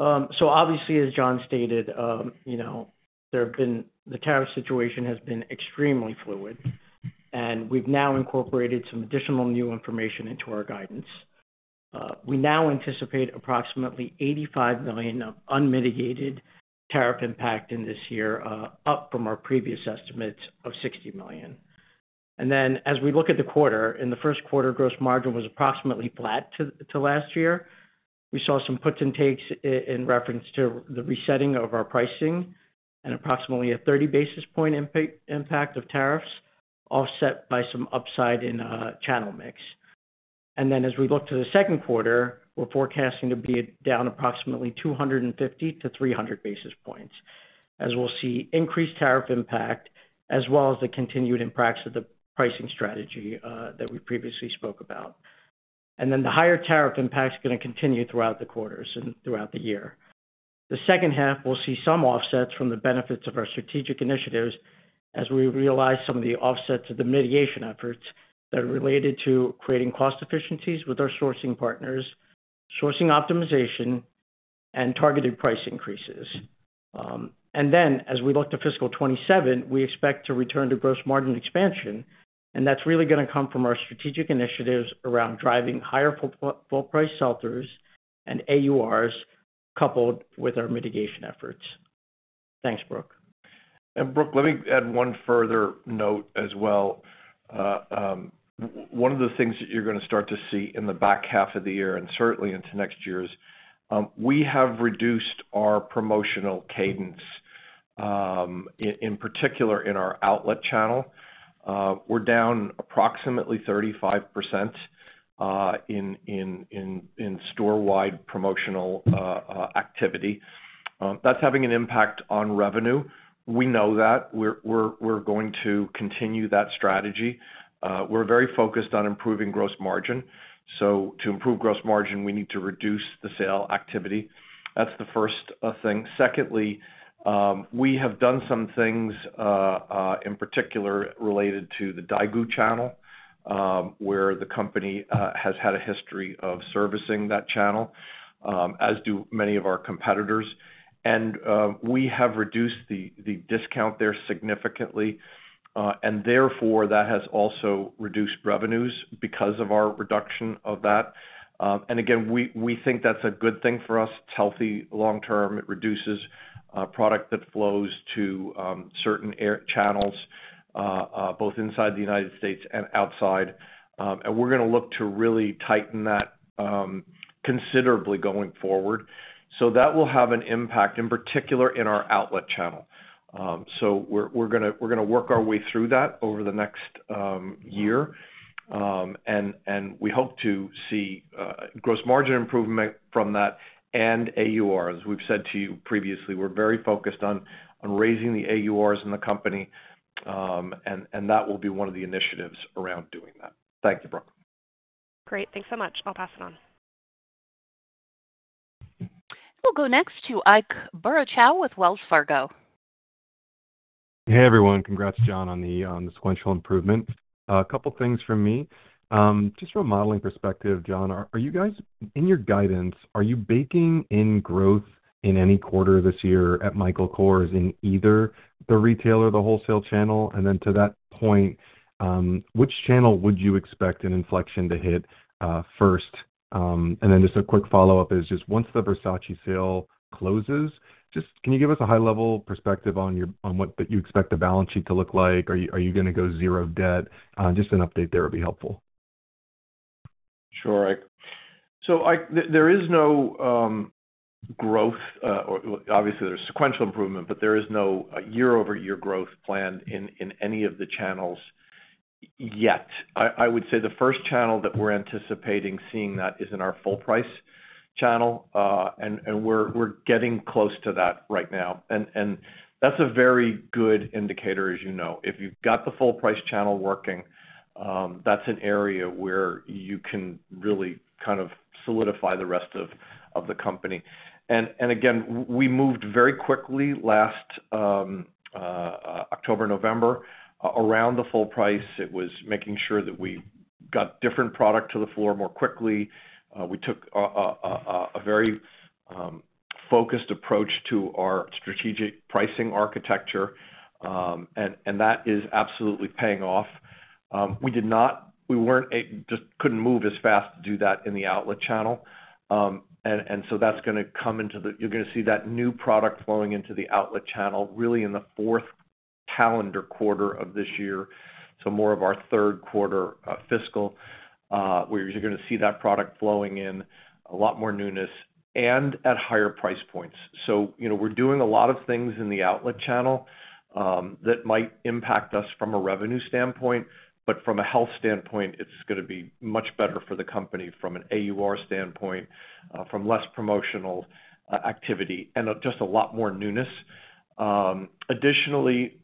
As John stated, the tariff situation has been extremely fluid and we've now incorporated some additional new information into our guidance. We now anticipate approximately $85 million of unmitigated tariff impact in this year, up from our previous estimates of $60 million. As we look at the quarter, in the first quarter, gross margin was approximately flat to last year. We saw some puts and takes in reference to the resetting of our pricing and approximately a 30 basis point impact of tariffs, offset by some upside in channel mix. As we look to the second quarter, we're forecasting to be down approximately 250-300 basis points as we'll see increased tariff impact as well as the continued impacts of the pricing strategy that we previously spoke about. The higher tariff impact is going to continue throughout the quarters and throughout the year. The second half will see some offsets from the benefits of our strategic initiatives as we realize some of the offsets of the mitigation efforts that are related to creating cost efficiencies with our sourcing partners, sourcing optimization, and targeted price increases. As we look to fiscal 2027, we expect to return to gross margin expansion. That's really going to come from our strategic initiatives around driving higher full-price sell-throughs and AURs coupled with our mitigation efforts. Thanks, Brooke. Let me add one further note as well. One of the things that you're going to start to see in the back half of the year and certainly into next year is we have reduced our promotional cadence, in particular in our outlet channel. We're down approximately 35% in storewide promotional activity. That's having an impact on revenue. We know that we're going to continue that strategy. We're very focused on improving gross margin. To improve gross margin, we need to reduce the sale activity. That's the first thing. Secondly, we have done some things in particular related to the Daigou channel where the company has had a history of servicing that channel, as do many of our competitors. We have reduced the discount there significantly, and therefore that has also reduced revenues because of our reduction of that. We think that's a good thing for us. It's healthy long term. It reduces product that flows to certain air channels both inside the United States and outside. We're going to look to really tighten that considerably going forward. That will have an impact in particular in our outlet channel. We're going to work our way through that over the next year and we hope to see gross margin improvement from that. And AUR, as we've said to you previously, we're very focused on raising the AURs in the company and that will be one of the initiatives around doing that. Thank you, Brooke. We'll go next to Ike Boruchow with Wells Fargo. Hey everyone, congrats John on the sequential improvement. A couple things for me just from a modeling perspective, John, are you guys in your guidance, are you baking in growth in any quarter this year at Michael Kors in either the retail or the wholesale channel? To that point, which channel would you expect an inflection to hit first? Just a quick follow up, once the Versace sale closes, can you give us a high level perspective on what you expect the balance sheet to look like? Are you going to go zero debt? Just an update there would be helpful. Sure Ike. There is no growth, obviously there's sequential improvement, but there is no year over year growth planned in any of the channels yet. I would say the first channel that we're anticipating seeing that is in our full price channel. We're getting close to that right now, and that's a very good indicator. As you know, if you've got the full price channel working, that's an area where you can really kind of solidify the rest of the company. We moved very quickly last October and November around the full price. It was making sure that we got different product to the floor more quickly. We took a very focused approach to our strategic pricing architecture and that is absolutely paying off. We just couldn't move as fast to do that in the outlet channel, and that's going to come into play. You're going to see that new product flowing into the outlet channel really in the fourth calendar quarter of this year, so more of our third quarter fiscal, where you're going to see that product flowing in, a lot more newness and at higher price points. We're doing a lot of things in the outlet channel that might impact us from a revenue standpoint, but from a health standpoint it's going to be much better for the company from an average unit retail AUR standpoint, from less promotional activity and just a lot more newness. Additionally,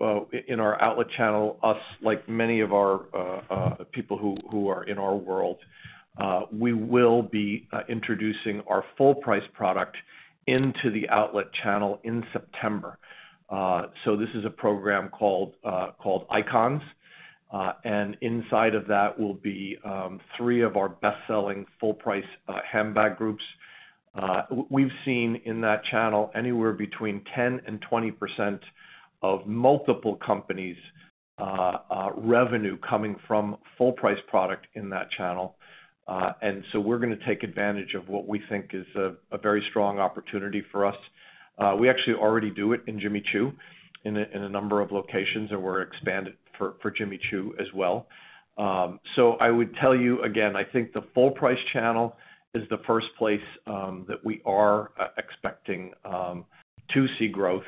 in our outlet channel, like many of our people who are in our world, we will be introducing our full price product into the outlet channel in September. This is a program called Icons, and inside of that will be three of our best selling full price handbag groups. We've seen in that channel anywhere between 10% and 20% of multiple companies' revenue coming from full price product in that channel, and we're going to take advantage of what we think is a very strong opportunity for us. We actually already do it in Jimmy Choo in a number of locations, and we're expanding for Jimmy Choo as well. I would tell you again, I think the full price channel is the first place that we are expecting to see growth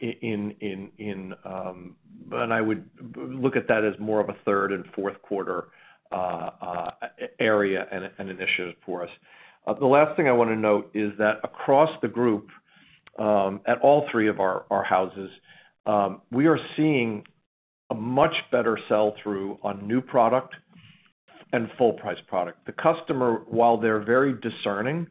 in. I would look at that as more of a third and fourth quarter area and initiative for us. The last thing I want to note is that across the group at all three of our houses, we are seeing a much better sell-through on new product and full price product. The customer, while they're very discerning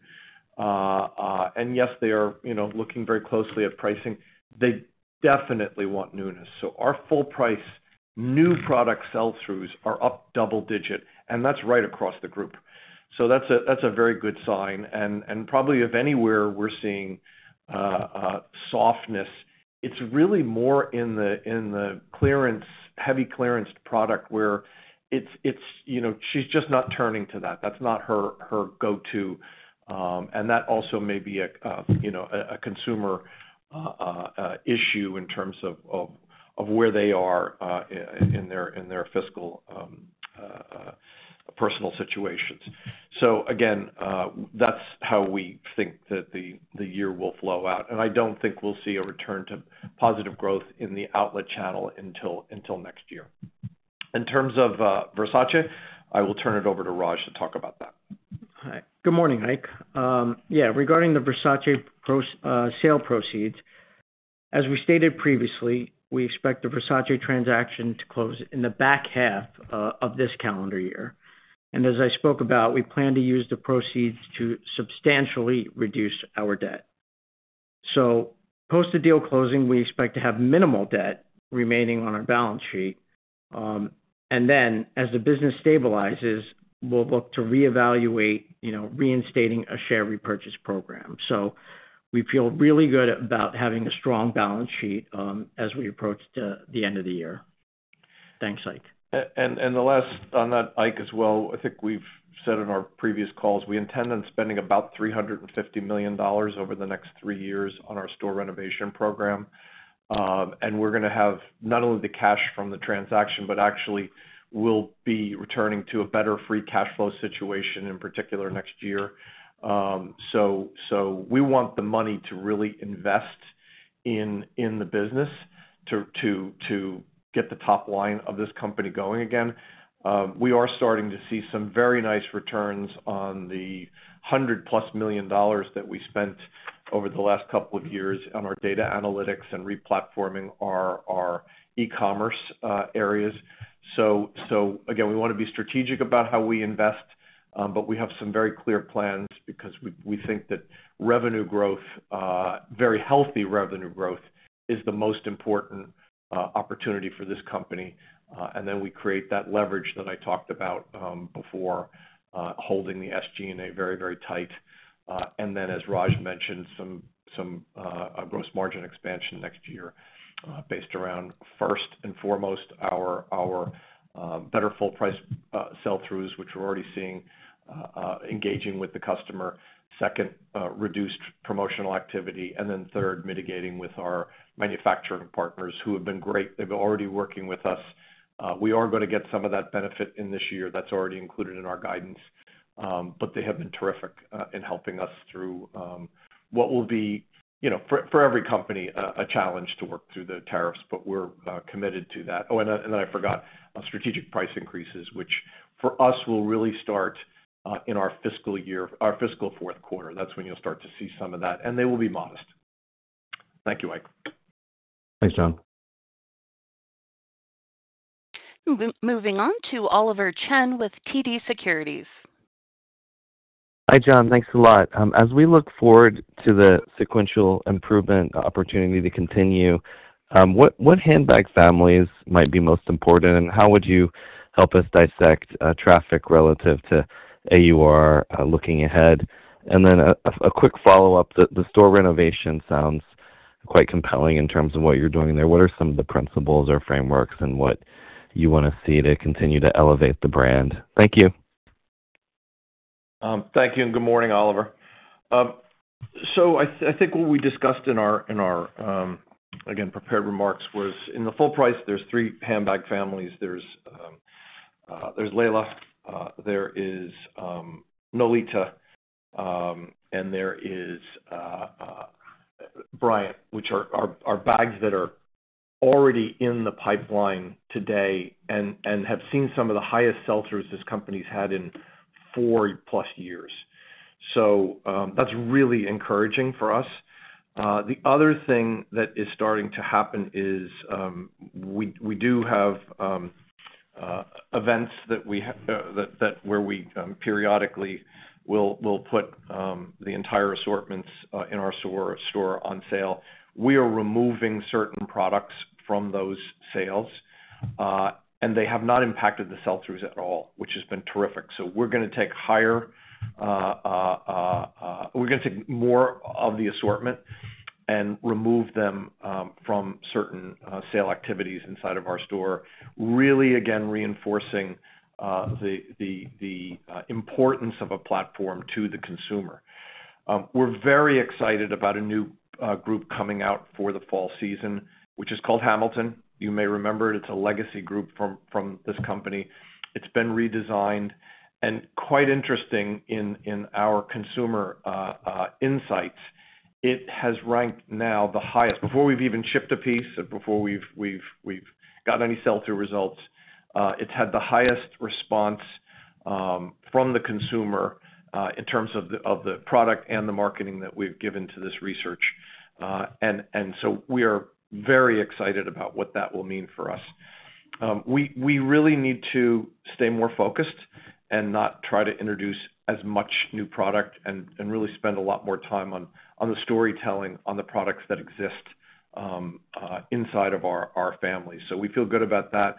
and yes, they are looking very closely at pricing, they definitely want newness. Our full price new product sell-throughs are up double digit, and that's right across the group. That's a very good sign. Probably of anywhere we're seeing softness, it's really more in the clearance, heavy clearance product where she's just not turning to that, that's not her go-to. That also may be a consumer issue in terms of where they are in their fiscal personal situations. That's how we think that the year will flow out. I don't think we'll see a return to positive growth in the outlet channel until next year in terms of Versace. I will turn it over to Raj to talk about that. Yeah. Regarding the Versace sale proceeds, as we stated previously, we expect the Versace transaction to close in the back half of this calendar year. As I spoke about, we plan to use the proceeds to substantially reduce our debt. Post the deal closing, we expect to have minimal debt remaining on our balance sheet. As the business stabilizes, we'll look to reevaluate, you know, reinstating a share repurchase program. We feel really good about having a strong balance sheet as we approach. To the end of the year. The last on that, Ike as well, I think we've said in our previous calls we intend on spending about $350 million over the next three years on our store renovation program. We're going to have not only the cash from the transaction, but actually we'll be returning to a better free cash flow situation, in particular next year. We want the money to really invest in the business to get the top line of this company going again. We are starting to see some very nice returns on the $100+ million that we spent over the last couple of years on our data analytics and replatforming our e-commerce areas. We want to be strategic about how we invest, but we have some very clear plans because we think that revenue growth, very healthy revenue growth, is the most important opportunity for this company. We create that leverage that I talked about before, holding the SG&A very, very tight. As Rajal Mehta mentioned, some gross margin expansion next year is based around, first and foremost, our better full-price sell-throughs, which we're already seeing, engaging with the customer; second, reduced promotional activity; and third, mitigating with our manufacturing partners, who have been great. They've already been working with us. We are going to get some of that benefit in this year. That's already included in our guidance. They have been terrific in helping us through what will be, for every company, a challenge to work through the tariffs. We're committed to that. Oh, and I forgot strategic price increases, which for us will really start in our fiscal year, our fiscal fourth quarter. That's when you'll start to see some of that, and they will be modest. Thank you, Ike. Moving on to Oliver Chen with TD Securities. Hi John, thanks a lot. As we look forward to the sequential improvement opportunity to continue, what handbag families might be most important and how would you help us dissect traffic relative to AUR looking ahead? A quick follow-up, the store renovation sounds quite compelling in terms of what you're doing there. What are some of the principles or frameworks and what do you want to see to continue to elevate the brand? Thank you. Thank you and good morning, Oliver. I think what we discussed in our prepared remarks was in the full-price, there are three handbag families: there's Layla, there is Nolita, and there is Bryant, which are bags that are already in the pipeline today and have seen some of the highest sell-throughs this company has had in four plus years. That's really encouraging for us. The other thing that is starting to happen is we do have events where we periodically will put the entire assortments in our store on sale. We are removing certain products from those sales, and they have not impacted the sell-throughs at all, which has been terrific. We are going to take more of the assortment and remove them from certain sale activities inside of our store, really again reinforcing the importance of a platform to the consumer. We're very excited about a new group coming out for the fall season, which is called Hamilton. You may remember it; it's a legacy group from this company. It's been redesigned and, quite interesting in our consumer insights, it has ranked now the highest before we've even shipped a piece and before we've gotten any sell-through results. It's had the highest response from the consumer in terms of the product and the marketing that we've given to this research, and we are very excited about what that will mean for us. We really need to stay more focused and not try to introduce as much new product and really spend a lot more time on the storytelling on the products that exist inside of our family. We feel good about that.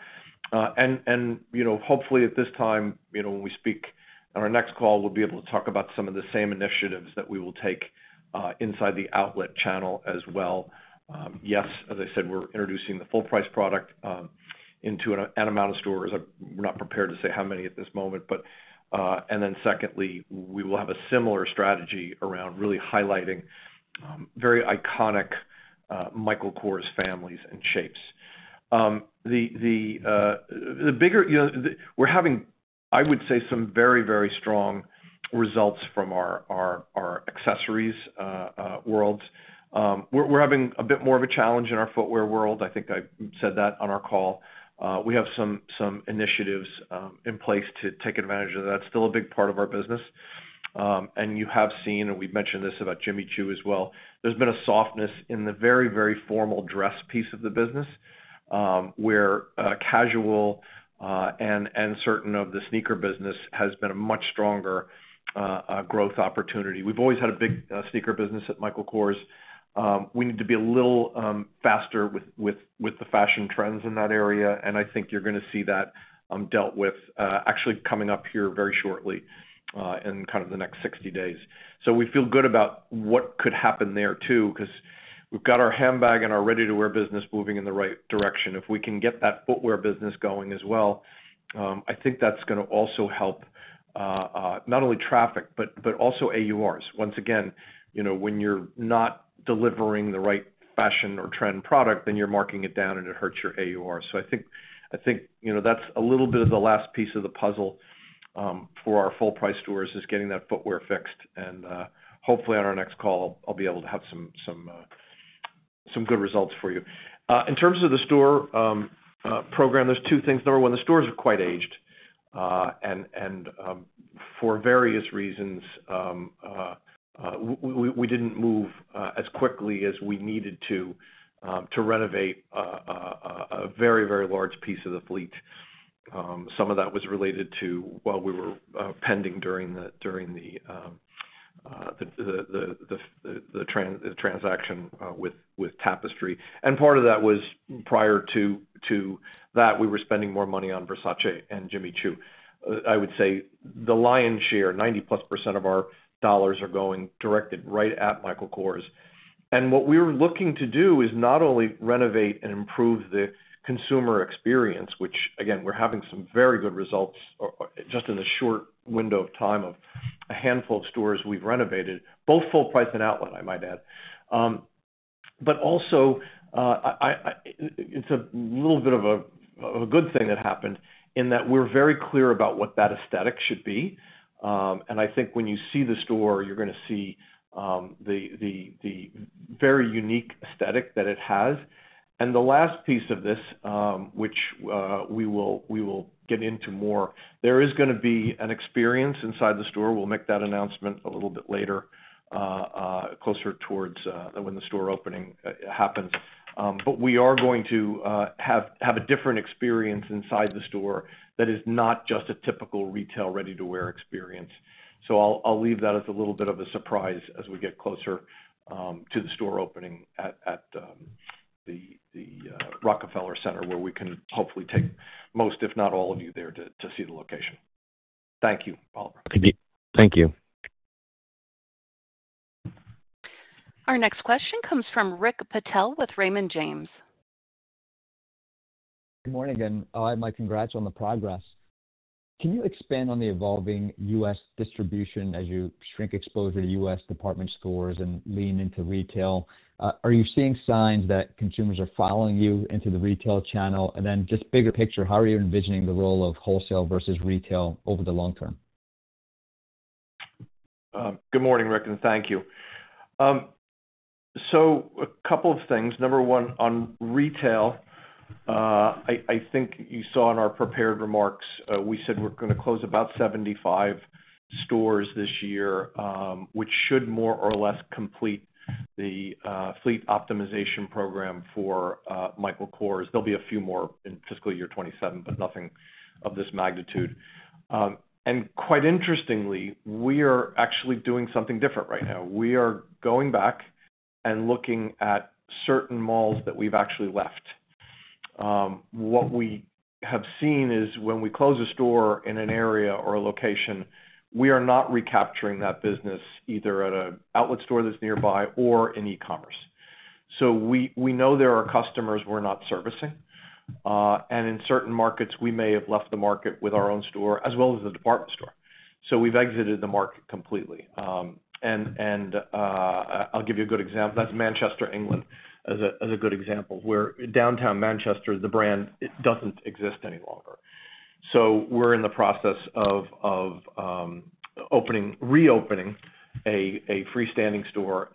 Hopefully at this time, when we speak on our next call, we'll be able to talk about some of the same initiatives that we will take inside the outlet channel as well. As I said, we're introducing the full-price product into an amount of stores. We're not prepared to say how many at this moment. We will have a similar strategy around really highlighting very iconic Michael Kors families and shapes. The bigger, you know, we're having, I would say, some very, very strong results from our accessories world. We're having a bit more of a challenge in our footwear world. I think I said that on our call. We have some initiatives in place to take advantage of that; still a big part of our business. You have seen, and we've mentioned this about Jimmy Choo as well, there's been a softness in the very, very formal dress piece of the business, where casual and certain of the sneaker business has been a much stronger growth opportunity. We've always had a big sneaker business at Michael Kors. We need to be a little faster with the fashion trends in that area. I think you're going to see that dealt with actually coming up here very shortly in kind of the next 60 days. We feel good about what could happen there too because we've got our handbag and our ready-to-wear business moving in the right direction. If we can get that footwear business going as well, I think that's going to also help not only traffic, but also AURs. Once again, you know, when you're not delivering the right fashion or trend product, then you're marking it down and it hurts your AUR. I think that's a little bit of the last piece of the puzzle for our full-price stores, is getting that footwear fixed. Hopefully on our next call, I'll be able to have some good results for you. In terms of the store program, there are two things. Number one, the stores are quite aged, and for various reasons, we didn't move as quickly as we needed to renovate a very, very large piece of the fleet. Some of that was related to while we were pending during the transaction with Tapestry, and part of that was prior to that, we were spending more money on Versace and Jimmy Choo. I would say the lion's share, 90%+ of our dollars, are going directed right at Michael Kors. What we were looking to do is not only renovate and improve the consumer experience, which again, we're having some very good results just in the short window of time of a handful of stores we've renovated, both full-price and outlet, I might add. But also It's a little bit of a good thing that happened in that we're very clear about what that aesthetic should be. I think when you see the store, you're going to see the very unique aesthetic that it has. The last piece of this, which we will get into more, there is going to be an experience inside the store. We'll make that announcement a little bit later, closer towards when the store opening happens. We are going to have a different experience inside the store that is not just a typical retail ready-to-wear experience. I'll leave that as a little bit of a surprise as we get closer to the store opening at the Rockefeller Center, where we can hopefully take most, if not all, of you there to see the location. Thank you, Oliver. Thank you. Our next question comes from Rick Patel with Raymond James. Good morning and my congrats on the progress. Can you expand on the evolving U.S. distribution as you shrink exposure to U.S. department stores and lean into retail? Are you seeing signs that consumers are following you into the retail channel? And then just bigger picture, how are you envisioning the role of wholesale versus retail over the long term? Good morning, Rick, and thank you. A couple of things. Number one, on retail, I think you saw in our prepared remarks, we said we're going to close about 75 stores this year, which should more or less complete the fleet optimization program for Michael Kors. There'll be a few more in fiscal year 2027, but nothing of this magnitude. Quite interestingly, we are actually doing something different right now. We are going back and looking at certain malls that we've actually left. What we have seen is when we close a store in an area or a location, we are not recapturing that business either at an outlet store that's nearby or in e-commerce. We know there are customers we're not servicing. In certain markets we may have left the market with our own store as well as the department store, so we've exited the market completely. I'll give you a good example. That's Manchester, England as a good example where downtown Manchester, the brand, it doesn't exist any longer. We are in the process of opening, reopening a freestanding store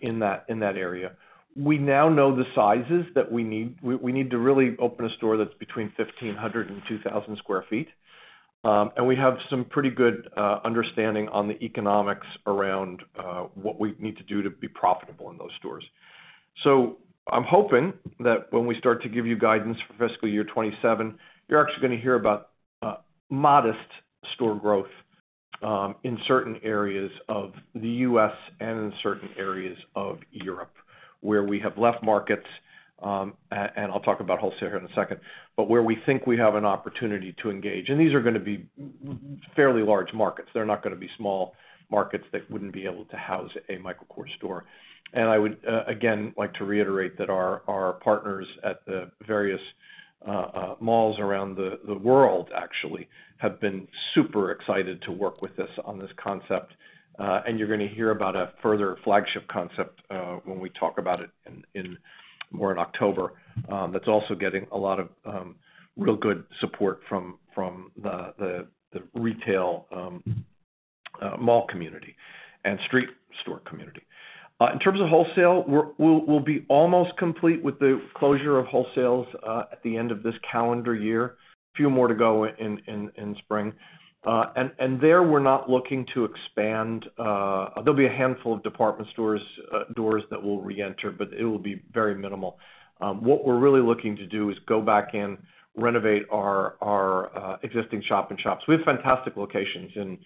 in that area. We now know the sizes that we need. We need to really open a store that's between 1,500 and 2,000 sq ft. We have some pretty good understanding on the economics around what we need to do to be profitable in those stores. I'm hoping that when we start to give you guidance for fiscal year 2027, you're actually going to hear about modest store growth in certain areas of the U.S. and in certain areas of Europe where we have left markets. I'll talk about wholesale here in a second. Where we think we have an opportunity to engage. These are going to be fairly large markets. They're not going to be small markets that wouldn't be able to house a Michael Kors store. I would again like to reiterate that our partners at the various malls around the world actually have been super excited to work with us on this concept. You're going to hear about a further flagship concept when we talk about it more in October. That's also getting a lot of real good support from the retail mall community and street store community. In terms of wholesale, we'll be almost complete with the closure of wholesales at the end of this calendar year. A few more to go in spring and there we're not looking to expand. There'll be a handful of department store doors that will re-enter, but it will be very minimal. What we're really looking to do is go back in, renovate our existing shop and shops. We have fantastic locations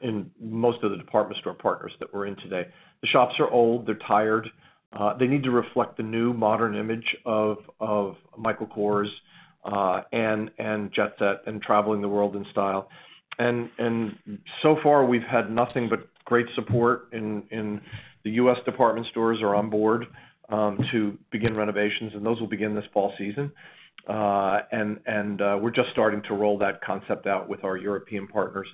in most of the department store partners that we're in today. The shops are old, they're tired. They need to reflect the new modern image of Michael Kors and jet set and traveling the world in style. So far we've had nothing but great support in the U.S. Department stores are on board to begin renovations and those will begin this fall season. We're just starting to roll that concept out with our European partners.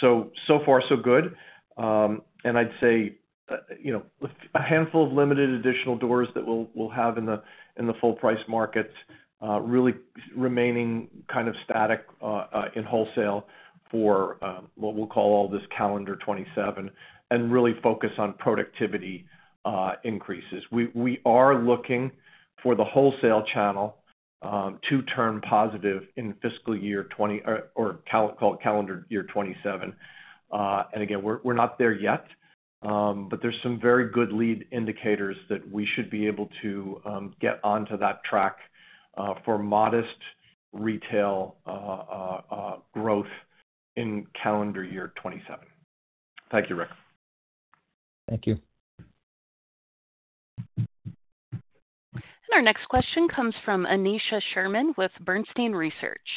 So far, so good. I'd say a handful of limited additional doors that we'll have in the full-price markets, really remaining kind of static in wholesale for what we'll call all this calendar 2027 and really focus on productivity increases. We are looking for the wholesale channel to turn positive in fiscal year 2027 or calendar year 2027. Again, we're not there yet, but there's some very good lead indicators that we should be able to get onto that track for modest retail growth in calendar year 2027. Thank you, Rick. Our next question comes from Aneesha Sherman with Bernstein Research.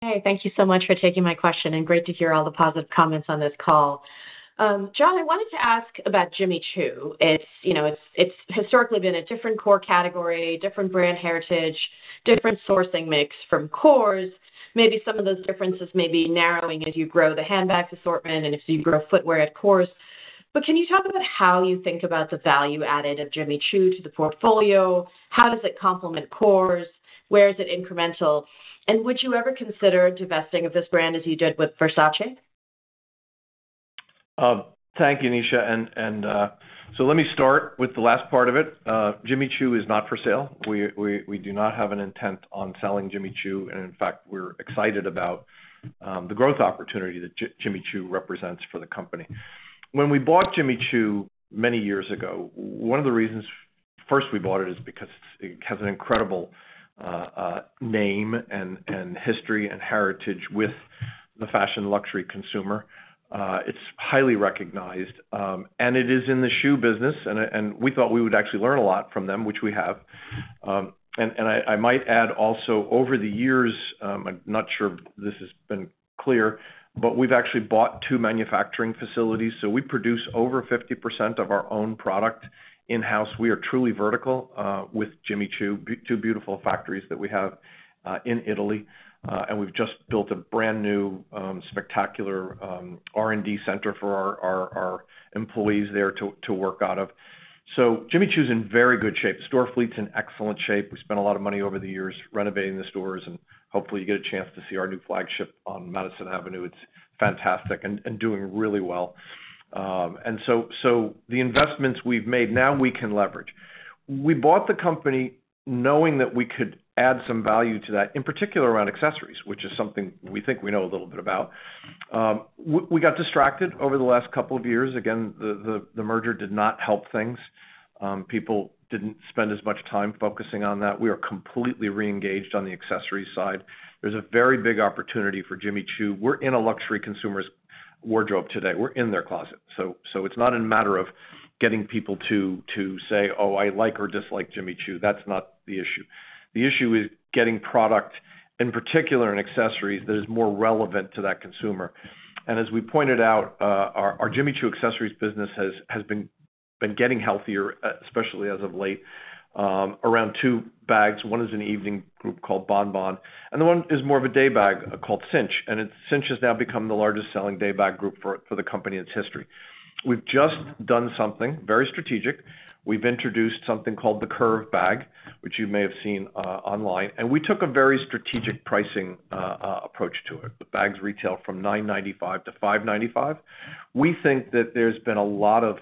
Thank you so much for taking my question, and great to hear all the positive comments on this call. John, I wanted to ask about Jimmy Choo. It's historically been a different core category, different brand heritage, different sourcing mix from Kors. Maybe some of those differences may be narrowing as you grow the handbags assortment and if you grow footwear at Kors. Can you talk about how you think about the value added of Jimmy Choo to the portfolio? How does it complement Kors? Where is it incremental? Would you ever consider divesting of this brand as you did with Versace? Thank you, Aneesha. Let me start with the last part of it. Jimmy Choo is not for sale. We do not have an intent on selling Jimmy Choo. In fact, we're excited about the growth opportunity that Jimmy Choo represents for the company. When we bought Jimmy Choo many years ago, one of the reasons we bought it is because it has an incredible name and history and heritage with the fashion, luxury consumer. It's highly recognized, and it is in the shoe business. We thought we would actually learn a lot from them, which we have. I might add, also over the years, I'm not sure this has been clear, but we've actually bought two manufacturing facilities, so we produce over 50% of our own product in house. We are truly vertical with Jimmy Choo. Two beautiful factories that we have in Italy, and we've just built a brand new spectacular R&D center for our employees there to work out of Jimmy Choo is in very good shape. Store fleet's in excellent shape. We spent a lot of money over the years renovating the stores, and hopefully you get a chance to see our new flagship on Madison Avenue. It's fantastic and doing really well. The investments we've made now we can leverage. We bought the company knowing that we could add some value to that, in particular around accessories, which is something we think we know a little bit about. We got distracted over the last couple of years. The merger did not help things. People didn't spend as much time focusing on that. We are completely reengaged on the accessory side. There's a very big opportunity for Jimmy Choo. We're in a luxury consumer's wardrobe today. We're in their closet. It's not a matter of getting people to say, oh, I like or dislike Jimmy Choo. That's not the issue. The issue is getting product in particular and accessories that is more relevant to that consumer. As we pointed out, our Jimmy Choo accessories business has been getting healthier, especially as of late around two bags. One is an evening group called Bonbon and the one is more of a day bag called Cinch. Cinch has now become the largest selling day bag group for the company in its history. We've just done something very strategic. We've introduced something called the Curve bag, which you may have seen online. We took a very strategic pricing approach to it. The bags retail from $995-$595. We think that there's been a lot of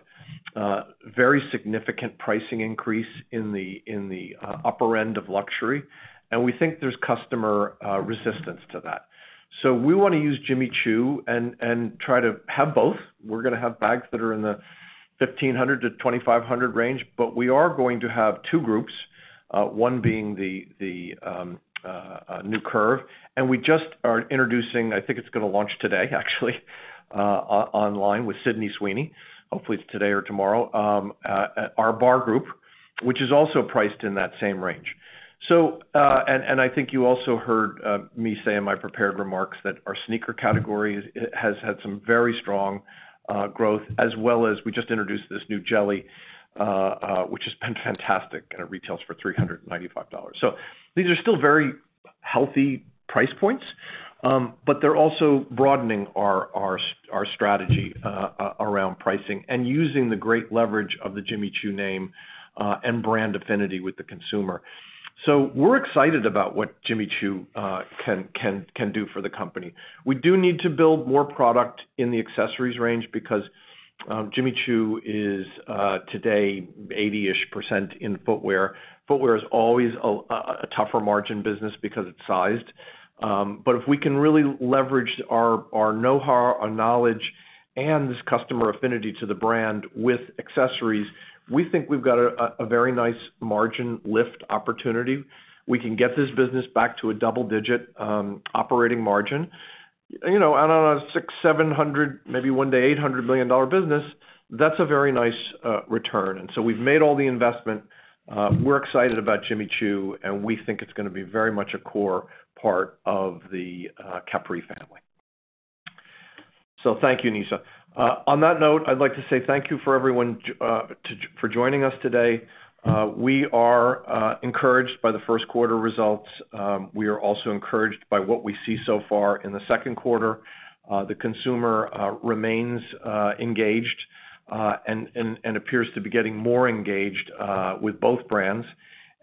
very significant pricing increase in the upper end of luxury, and we think there's customer resistance to that. We want to use Jimmy Choo and try to have both. We're going to have bags that are in the $1,500-$2,500 range, but we are going to have two groups, one being the new Curve. We just are introducing, I think it's going to launch today actually online with Sydney Sweeney. Hopefully it's today or tomorrow. Our Bar group, which is also priced in that same range. I think you also heard me say in my prepared remarks that our sneaker category has had some very strong growth as well as we just introduced this new Jelly, which has been fantastic, and it retails for $395. These are still very healthy price points, but they're also broadening our strategy around pricing and using the great leverage of the Jimmy Choo name and brand affinity with the consumer. We're excited about what Jimmy Choo can do for the company. We do need to build more product in the accessories range because Jimmy Choo is today 80% in footwear. Footwear is always a tougher margin business because it's sized. If we can really leverage our know-how, our knowledge, and this customer affinity to the brand with accessories, we think we've got a very nice margin lift opportunity. We can get this business back to a double-digit operating margin. I don't know, $600 million, $700 million, maybe one day, $800 million business. That's a very nice return. We've made all the investment. We're excited about Jimmy Choo, and we think it's going to be very much a core part of the Capri family. Thank you, Nisa. On that note, I'd like to say thank you for everyone for joining us today. We are encouraged by the first quarter results. We are also encouraged by what we see so far in the second quarter. The consumer remains engaged and appears to be getting more engaged with both brands.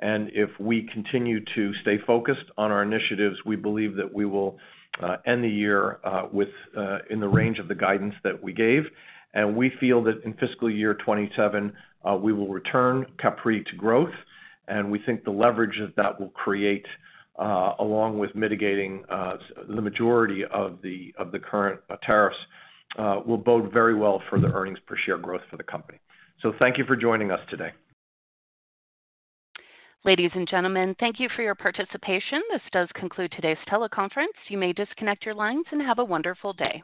If we continue to stay focused on our initiatives, we believe that we will end the year within the range of the guidance that we gave. We feel that in fiscal year 2027 we will return Capri to growth. We think the leverage that that will create along with mitigating the majority of the current tariffs will bode very well for the earnings per share growth for the company. Thank you for joining us today. Ladies and gentlemen, thank you for your participation. This does conclude today's teleconference. You may disconnect your lines and have a wonderful day.